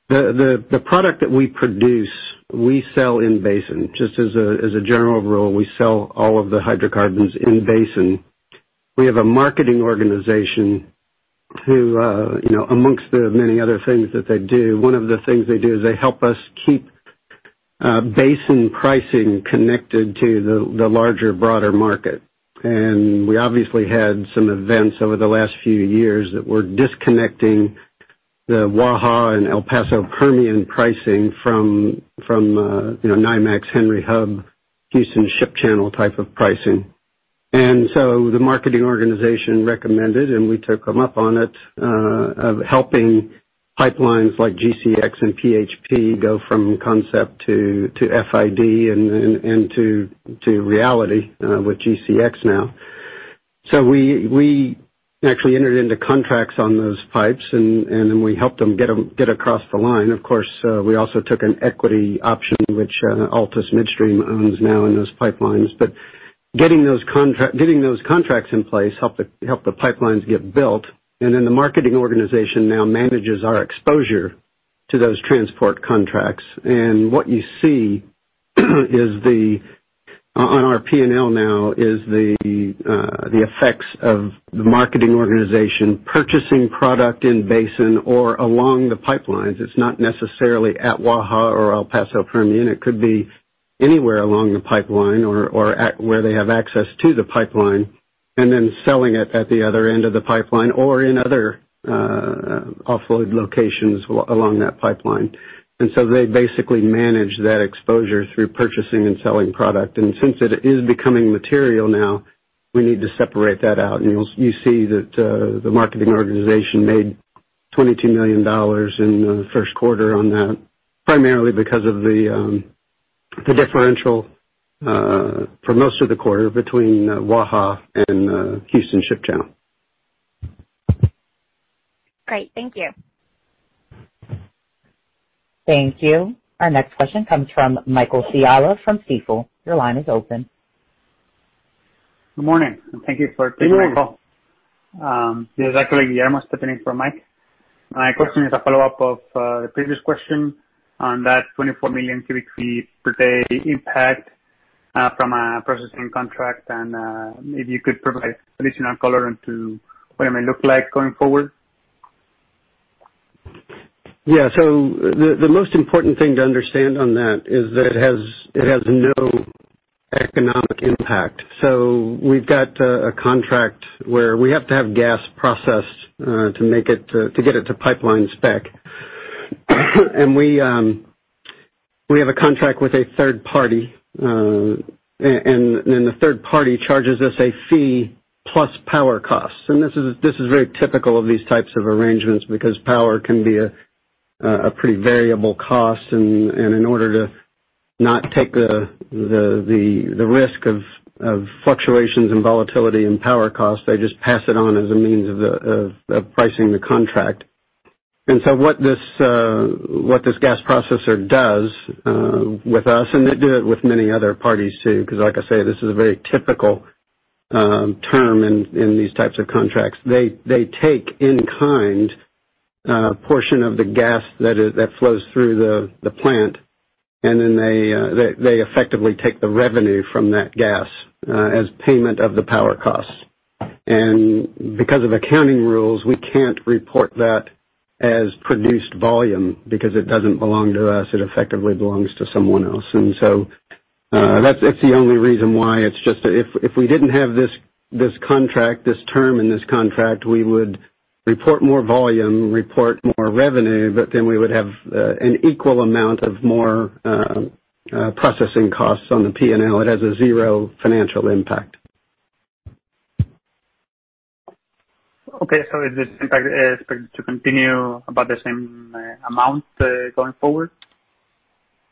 The product that we produce, we sell in basin. Just as a general rule, we sell all of the hydrocarbons in basin. We have a marketing organization who, amongst the many other things that they do, one of the things they do is they help us keep basin pricing connected to the larger, broader market. We obviously had some events over the last few years that were disconnecting the Waha and El Paso Permian pricing from NYMEX Henry Hub, Houston Ship Channel type of pricing. The marketing organization recommended, and we took them up on it, of helping pipelines like GCX and PHP go from concept to FID and to reality with GCX now. We actually entered into contracts on those pipes, and then we helped them get across the line. Of course, we also took an equity option, which Altus Midstream owns now in those pipelines. Getting those contracts in place helped the pipelines get built, and then the marketing organization now manages our exposure to those transport contracts. What you see on our P&L now is the effects of the marketing organization purchasing product in basin or along the pipelines. It's not necessarily at Waha or El Paso Permian. It could be anywhere along the pipeline or where they have access to the pipeline and then selling it at the other end of the pipeline or in other offload locations along that pipeline. They basically manage that exposure through purchasing and selling product. Since it is becoming material now, we need to separate that out. You see that the marketing organization made $22 million in the first quarter on that, primarily because of the differential for most of the quarter between Waha and Houston Ship Channel. Great. Thank you. Thank you. Our next question comes from Michael Scialla from Stifel. Your line is open. Good morning, and thank you for taking my call. Good morning. This is actually Guillermo stepping in for Michael. My question is a follow-up of the previous question on that 24 million cubic feet per day impact from a processing contract and if you could provide additional color into what it may look like going forward? The most important thing to understand on that is that it has no economic impact. We've got a contract where we have to have gas processed to get it to pipeline spec. We have a contract with a third party, and then the third party charges us a fee plus power costs. This is very typical of these types of arrangements because power can be a pretty variable cost. In order to not take the risk of fluctuations and volatility in power costs, they just pass it on as a means of pricing the contract. What this gas processor does with us, and they do it with many other parties too, because like I say, this is a very typical term in these types of contracts. They take in-kind a portion of the gas that flows through the plant. They effectively take the revenue from that gas as payment of the power costs. Because of accounting rules, we can't report that as produced volume because it doesn't belong to us. It effectively belongs to someone else. So, that's the only reason why. If we didn't have this term in this contract, we would report more volume, report more revenue, but then we would have an equal amount of more processing costs on the P&L. It has a zero financial impact. Okay, is this impact expected to continue about the same amount going forward?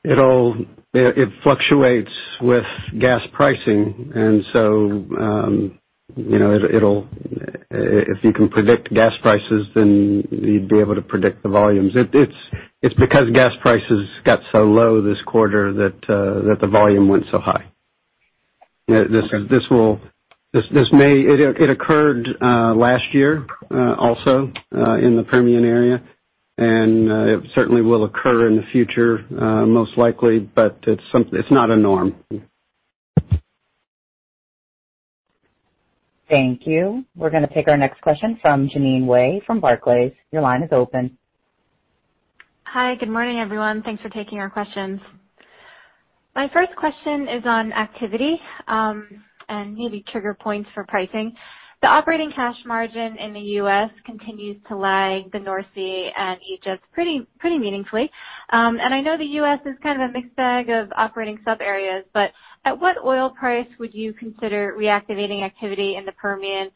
It fluctuates with gas pricing, and so if you can predict gas prices, then you'd be able to predict the volumes. It's because gas prices got so low this quarter that the volume went so high. Okay. It occurred last year, also, in the Permian area, and it certainly will occur in the future, most likely, but it's not a norm. Thank you. We're going to take our next question from Jeanine Wai from Barclays. Your line is open. Hi, good morning, everyone. Thanks for taking our questions. My first question is on activity, and maybe trigger points for pricing. The operating cash margin in the U.S. continues to lag the North Sea and Egypt pretty meaningfully. I know the U.S. is kind of a mixed bag of operating sub-areas, but at what oil price would you consider reactivating activity in the Permian?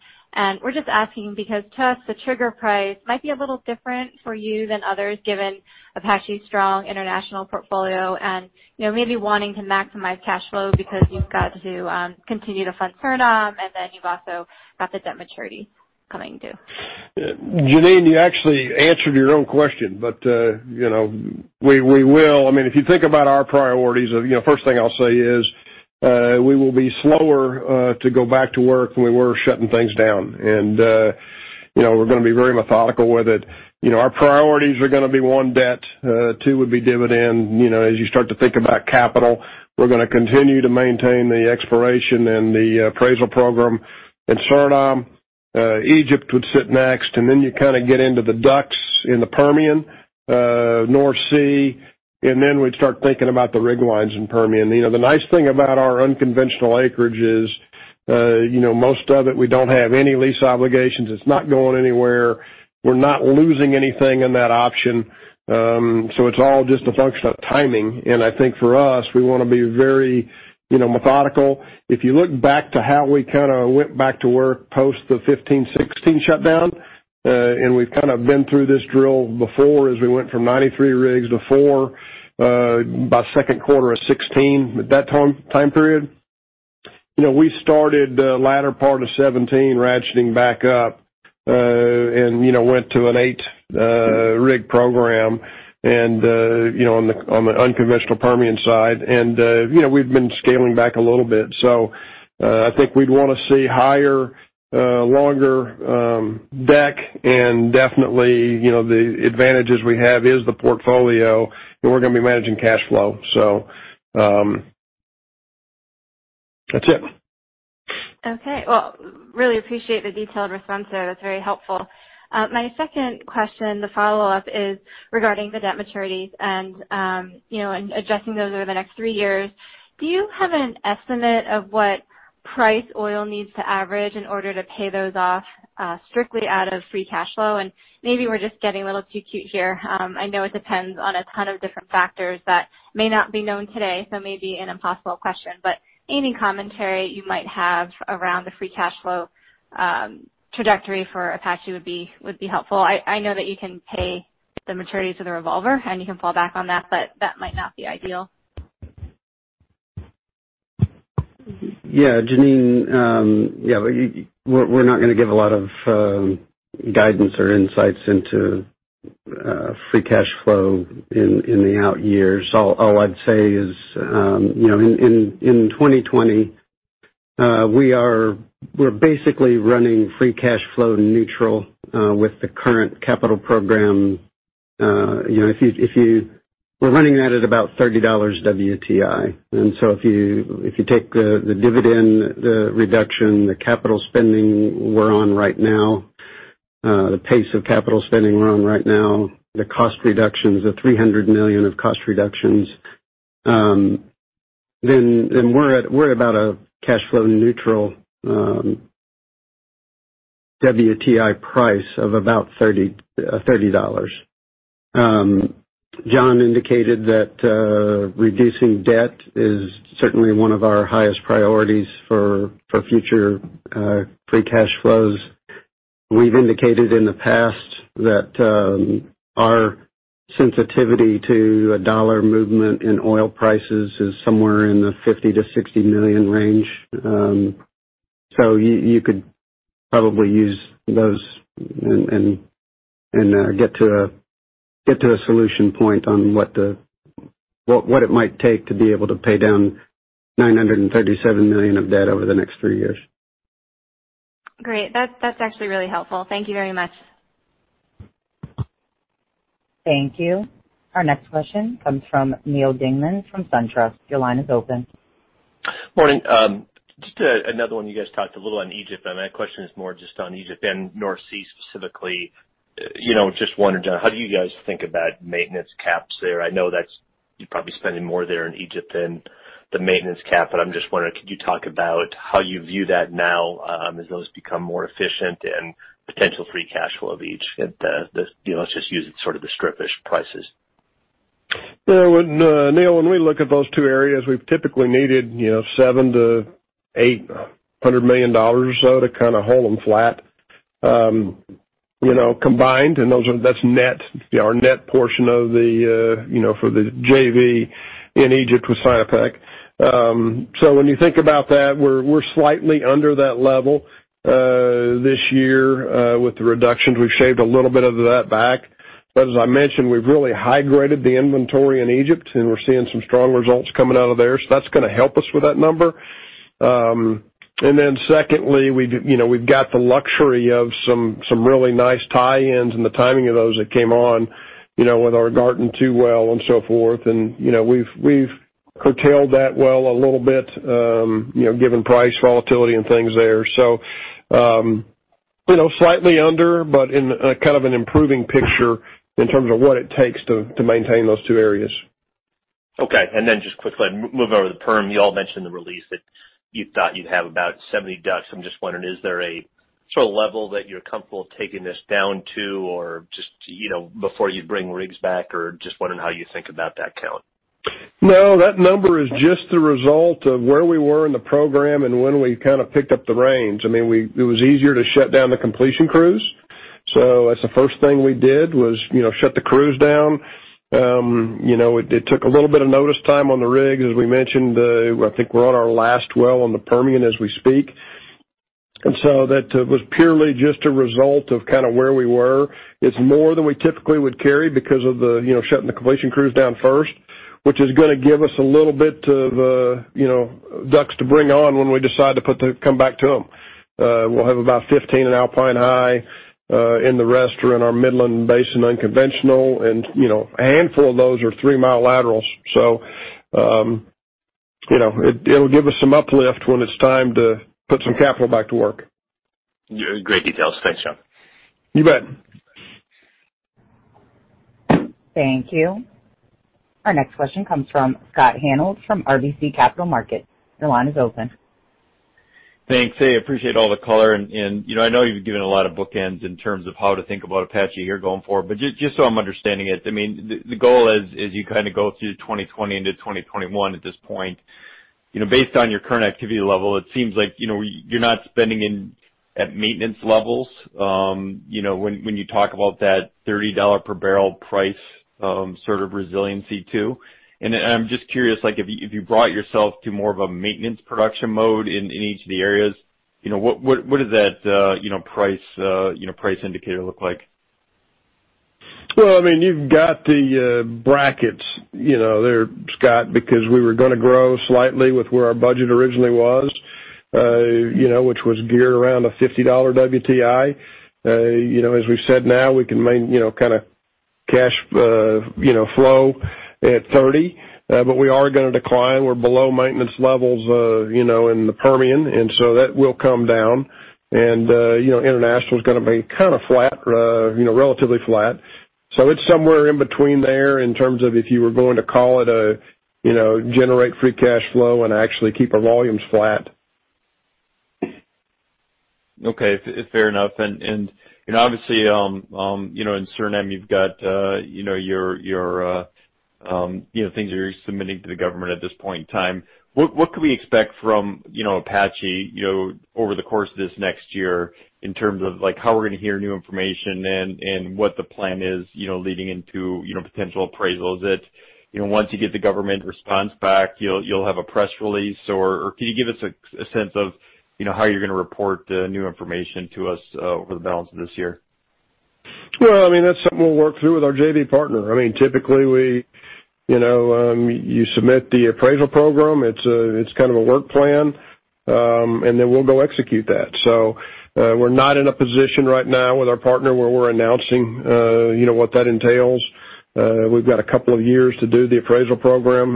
We're just asking because to us, the trigger price might be a little different for you than others, given Apache's strong international portfolio and maybe wanting to maximize cash flow because you've got to continue to fund Suriname, and then you've also got the debt maturity coming due. Jeanine, you actually answered your own question. If you think about our priorities, first thing I'll say is we will be slower to go back to work than we were shutting things down. We're going to be very methodical with it. Our priorities are going to be, one, debt. Two would be dividend. As you start to think about capital, we're going to continue to maintain the exploration and the appraisal program in Suriname. Egypt would sit next, and then you kind of get into the DUCs in the Permian, North Sea, and then we'd start thinking about the rig lines in Permian. The nice thing about our unconventional acreage is most of it, we don't have any lease obligations. It's not going anywhere. We're not losing anything in that option. It's all just a function of timing. I think for us, we want to be very methodical. If you look back to how we kind of went back to work post the 2015, 2016 shutdown, and we've kind of been through this drill before as we went from 93 rigs to four by second quarter of 2016, that time period. We started the latter part of 2017 ratcheting back up, and went to an eight-rig program on the unconventional Permian side. We've been scaling back a little bit. I think we'd want to see higher, longer deck and definitely, the advantages we have is the portfolio, and we're going to be managing cash flow. That's it. Okay. Well, really appreciate the detailed response there. That's very helpful. My second question, the follow-up, is regarding the debt maturities and adjusting those over the next three years. Do you have an estimate of what price oil needs to average in order to pay those off strictly out of free cash flow? Maybe we're just getting a little too cute here. I know it depends on a ton of different factors that may not be known today, so it may be an impossible question. Any commentary you might have around the free cash flow trajectory for Apache would be helpful. I know that you can pay the maturity to the revolver, and you can fall back on that, but that might not be ideal. Yeah, Jeanine. We're not going to give a lot of guidance or insights into free cash flow in the out years. All I'd say is, in 2020, we're basically running free cash flow neutral with the current capital program. We're running that at about $30 WTI. If you take the dividend reduction, the capital spending we're on right now, the pace of capital spending we're on right now, the cost reductions, the $300 million of cost reductions, we're at about a cash flow neutral WTI price of about $30. John indicated that reducing debt is certainly one of our highest priorities for future free cash flows. We've indicated in the past that our sensitivity to a dollar movement in oil prices is somewhere in the $50 million-$60 million range. You could probably use those and get to a solution point on what it might take to be able to pay down $937 million of debt over the next three years. Great. That's actually really helpful. Thank you very much. Thank you. Our next question comes from Neal Dingmann from SunTrust. Your line is open. Morning. Just another one. My question is more just on Egypt and North Sea specifically. Just wondering, John, how do you guys think about maintenance CapEx there? I know that you're probably spending more there in Egypt than the maintenance CapEx, I'm just wondering, could you talk about how you view that now as those become more efficient and potential free cash flow of each? Let's just use it sort of the strip-ish prices. Neal, when we look at those two areas, we've typically needed $700 million-$800 million or so to kind of hold them flat combined, and that's our net portion for the JV in Egypt with Sinopec. When you think about that, we're slightly under that level. This year with the reductions, we've shaved a little bit of that back. As I mentioned, we've really hydrated the inventory in Egypt, and we're seeing some strong results coming out of there. That's going to help us with that number. Secondly, we've got the luxury of some really nice tie-ins and the timing of those that came on with our Garten-2 well and so forth, and we've curtailed that well a little bit given price volatility and things there. Slightly under, but in kind of an improving picture in terms of what it takes to maintain those two areas. Okay. Just quickly moving over to the Perm, you all mentioned the release that you thought you'd have about 70 DUCs. I'm just wondering, is there a sort of level that you're comfortable taking this down to before you bring rigs back? Just wondering how you think about that count. No, that number is just the result of where we were in the program and when we kind of picked up the reins. It was easier to shut down the completion crews. That's the first thing we did was shut the crews down. It took a little bit of notice time on the rigs. As we mentioned, I think we're on our last well on the Permian as we speak. That was purely just a result of kind of where we were. It's more than we typically would carry because of shutting the completion crews down first, which is going to give us a little bit of DUCs to bring on when we decide to come back to them. We'll have about 15 in Alpine High, and the rest are in our Midland Basin unconventional, and a handful of those are three-mile laterals. It'll give us some uplift when it's time to put some capital back to work. Great details. Thanks, John. You bet. Thank you. Our next question comes from Scott Hanold from RBC Capital Markets. Your line is open. Thanks. Hey, appreciate all the color. I know you've given a lot of bookends in terms of how to think about Apache here going forward, but just so I'm understanding it, the goal as you kind of go through 2020 into 2021 at this point, based on your current activity level, it seems like you're not spending at maintenance levels when you talk about that $30 per barrel price sort of resiliency too. I'm just curious, if you brought yourself to more of a maintenance production mode in each of the areas, what does that price indicator look like? Well, you've got the brackets there, Scott, because we were going to grow slightly with where our budget originally was, which was geared around a $50 WTI. As we've said now, we can kind of cash flow at $30, but we are going to decline. We're below maintenance levels in the Permian, and so that will come down. International's going to be kind of flat, relatively flat. It's somewhere in between there in terms of if you were going to call it a generate free cash flow and actually keep our volumes flat. Okay. Fair enough. Obviously, in Suriname you've got things you're submitting to the government at this point in time. What could we expect from Apache over the course of this next year in terms of how we're going to hear new information and what the plan is leading into potential appraisals that once you get the government response back, you'll have a press release? Can you give us a sense of how you're going to report new information to us over the balance of this year? Well, that's something we'll work through with our JV partner. Typically, you submit the appraisal program, it's kind of a work plan, we'll go execute that. We're not in a position right now with our partner where we're announcing what that entails. We've got a couple of years to do the appraisal program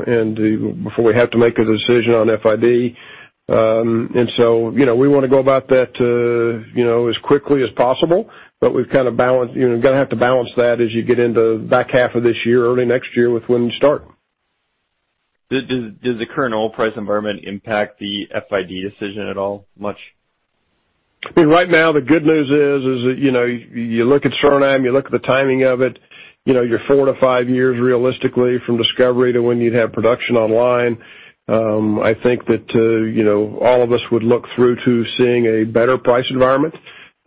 before we have to make a decision on FID. We want to go about that as quickly as possible, but we're going to have to balance that as you get into back half of this year, early next year with when to start. Does the current oil price environment impact the FID decision at all much? Right now, the good news is that you look at Suriname, you look at the timing of it, you're four to five years realistically from discovery to when you'd have production online. I think that all of us would look through to seeing a better price environment.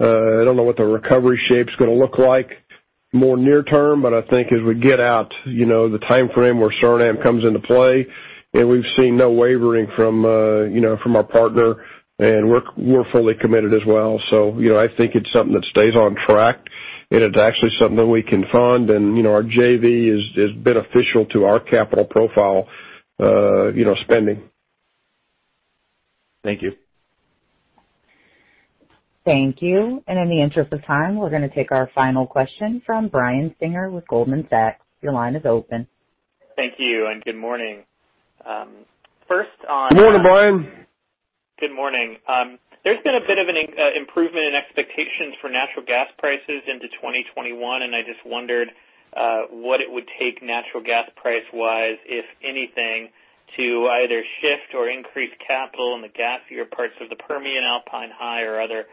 I don't know what the recovery shape's going to look like more near term, but I think as we get out the timeframe where Suriname comes into play, and we've seen no wavering from our partner, and we're fully committed as well. I think it's something that stays on track. It's actually something we can fund, and our JV is beneficial to our capital profile spending. Thank you. Thank you. In the interest of time, we're going to take our final question from Brian Singer with Goldman Sachs. Your line is open. Thank you, and good morning. Good morning, Brian. Good morning. There's been a bit of an improvement in expectations for natural gas prices into 2021. I just wondered what it would take natural gas price-wise, if anything, to either shift or increase capital in the gassier parts of the Permian, Alpine High, or other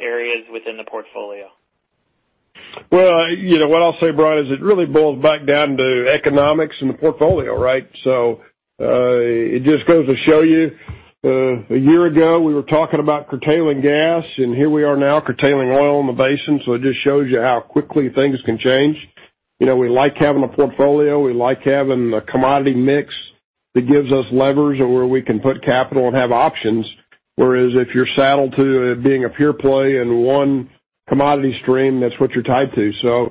areas within the portfolio. Well, what I'll say, Brian, is it really boils back down to economics and the portfolio, right? It just goes to show you, a year ago, we were talking about curtailing gas, and here we are now curtailing oil in the basin. It just shows you how quickly things can change. We like having a portfolio. We like having a commodity mix that gives us levers of where we can put capital and have options. Whereas if you're saddled to being a pure play in one commodity stream, that's what you're tied to.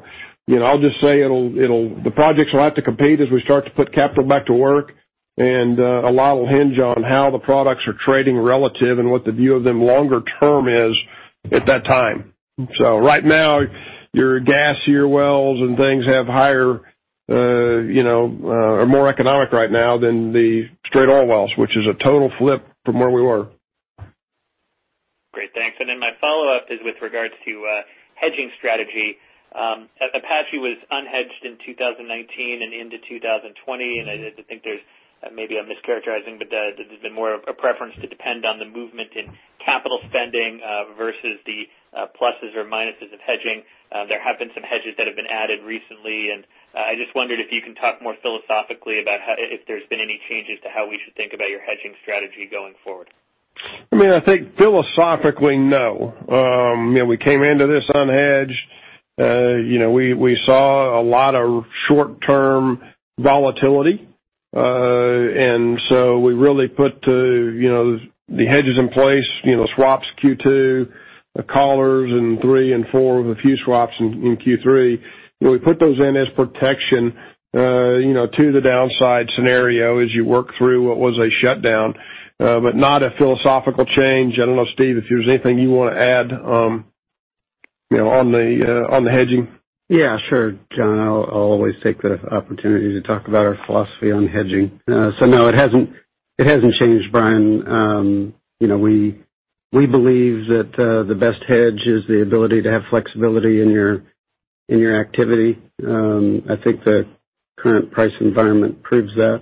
I'll just say, the projects will have to compete as we start to put capital back to work, and a lot will hinge on how the products are trading relative and what the view of them longer term is at that time. Right now, your gassier wells and things are more economic right now than the straight oil wells, which is a total flip from where we were. Great, thanks. My follow-up is with regards to hedging strategy. Apache was unhedged in 2019 and into 2020, and I think there's, maybe I'm mischaracterizing, but there's been more of a preference to depend on the movement in capital spending versus the pluses or minuses of hedging. There have been some hedges that have been added recently, and I just wondered if you can talk more philosophically about if there's been any changes to how we should think about your hedging strategy going forward? I think philosophically, no. We came into this unhedged. We saw a lot of short-term volatility. We really put the hedges in place, swaps Q2, the collars in three and four with a few swaps in Q3. We put those in as protection to the downside scenario as you work through what was a shutdown. Not a philosophical change. I don't know, Steve, if there's anything you want to add on the hedging. Yeah, sure, John. I'll always take the opportunity to talk about our philosophy on hedging. No, it hasn't changed, Brian. We believe that the best hedge is the ability to have flexibility in your activity. I think the current price environment proves that.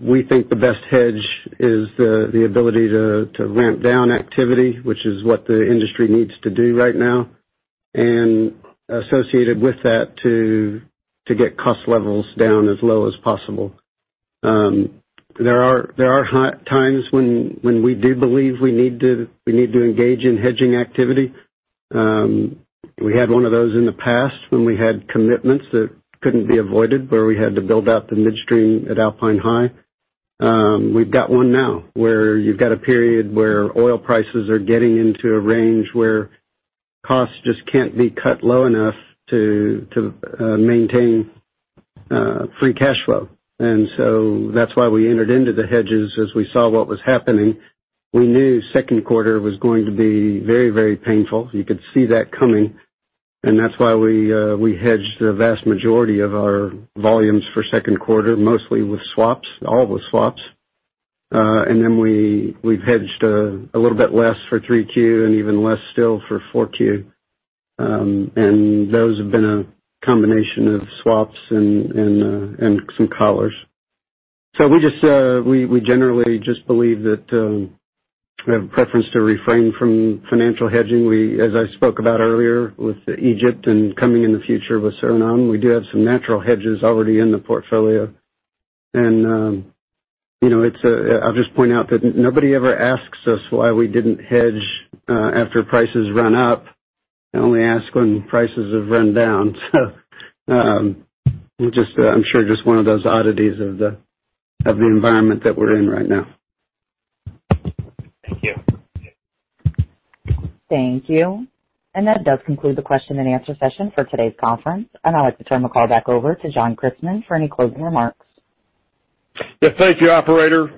We think the best hedge is the ability to ramp down activity, which is what the industry needs to do right now, and associated with that, to get cost levels down as low as possible. There are times when we do believe we need to engage in hedging activity. We had one of those in the past when we had commitments that couldn't be avoided, where we had to build out the midstream at Alpine High. We've got one now, where you've got a period where oil prices are getting into a range where costs just can't be cut low enough to maintain free cash flow. That's why we entered into the hedges as we saw what was happening. We knew second quarter was going to be very, very painful. You could see that coming, that's why we hedged the vast majority of our volumes for second quarter, mostly with swaps, all with swaps. We've hedged a little bit less for three Q and even less still for four Q. Those have been a combination of swaps and some collars. We generally just believe that we have a preference to refrain from financial hedging. As I spoke about earlier with Egypt and coming in the future with Suriname, we do have some natural hedges already in the portfolio. I'll just point out that nobody ever asks us why we didn't hedge after prices run up. They only ask when prices have run down. I'm sure just one of those oddities of the environment that we're in right now. Thank you. Thank you. That does conclude the question and answer session for today's conference. I'd like to turn the call back over to John Christmann for any closing remarks. Yeah. Thank you, operator.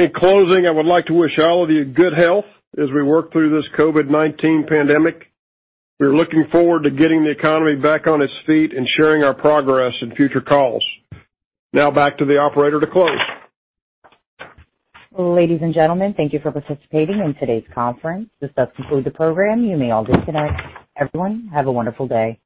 In closing, I would like to wish all of you good health as we work through this COVID-19 pandemic. We're looking forward to getting the economy back on its feet and sharing our progress in future calls. Now back to the operator to close. Ladies and gentlemen, thank you for participating in today's conference. This does conclude the program. You may all disconnect. Everyone, have a wonderful day.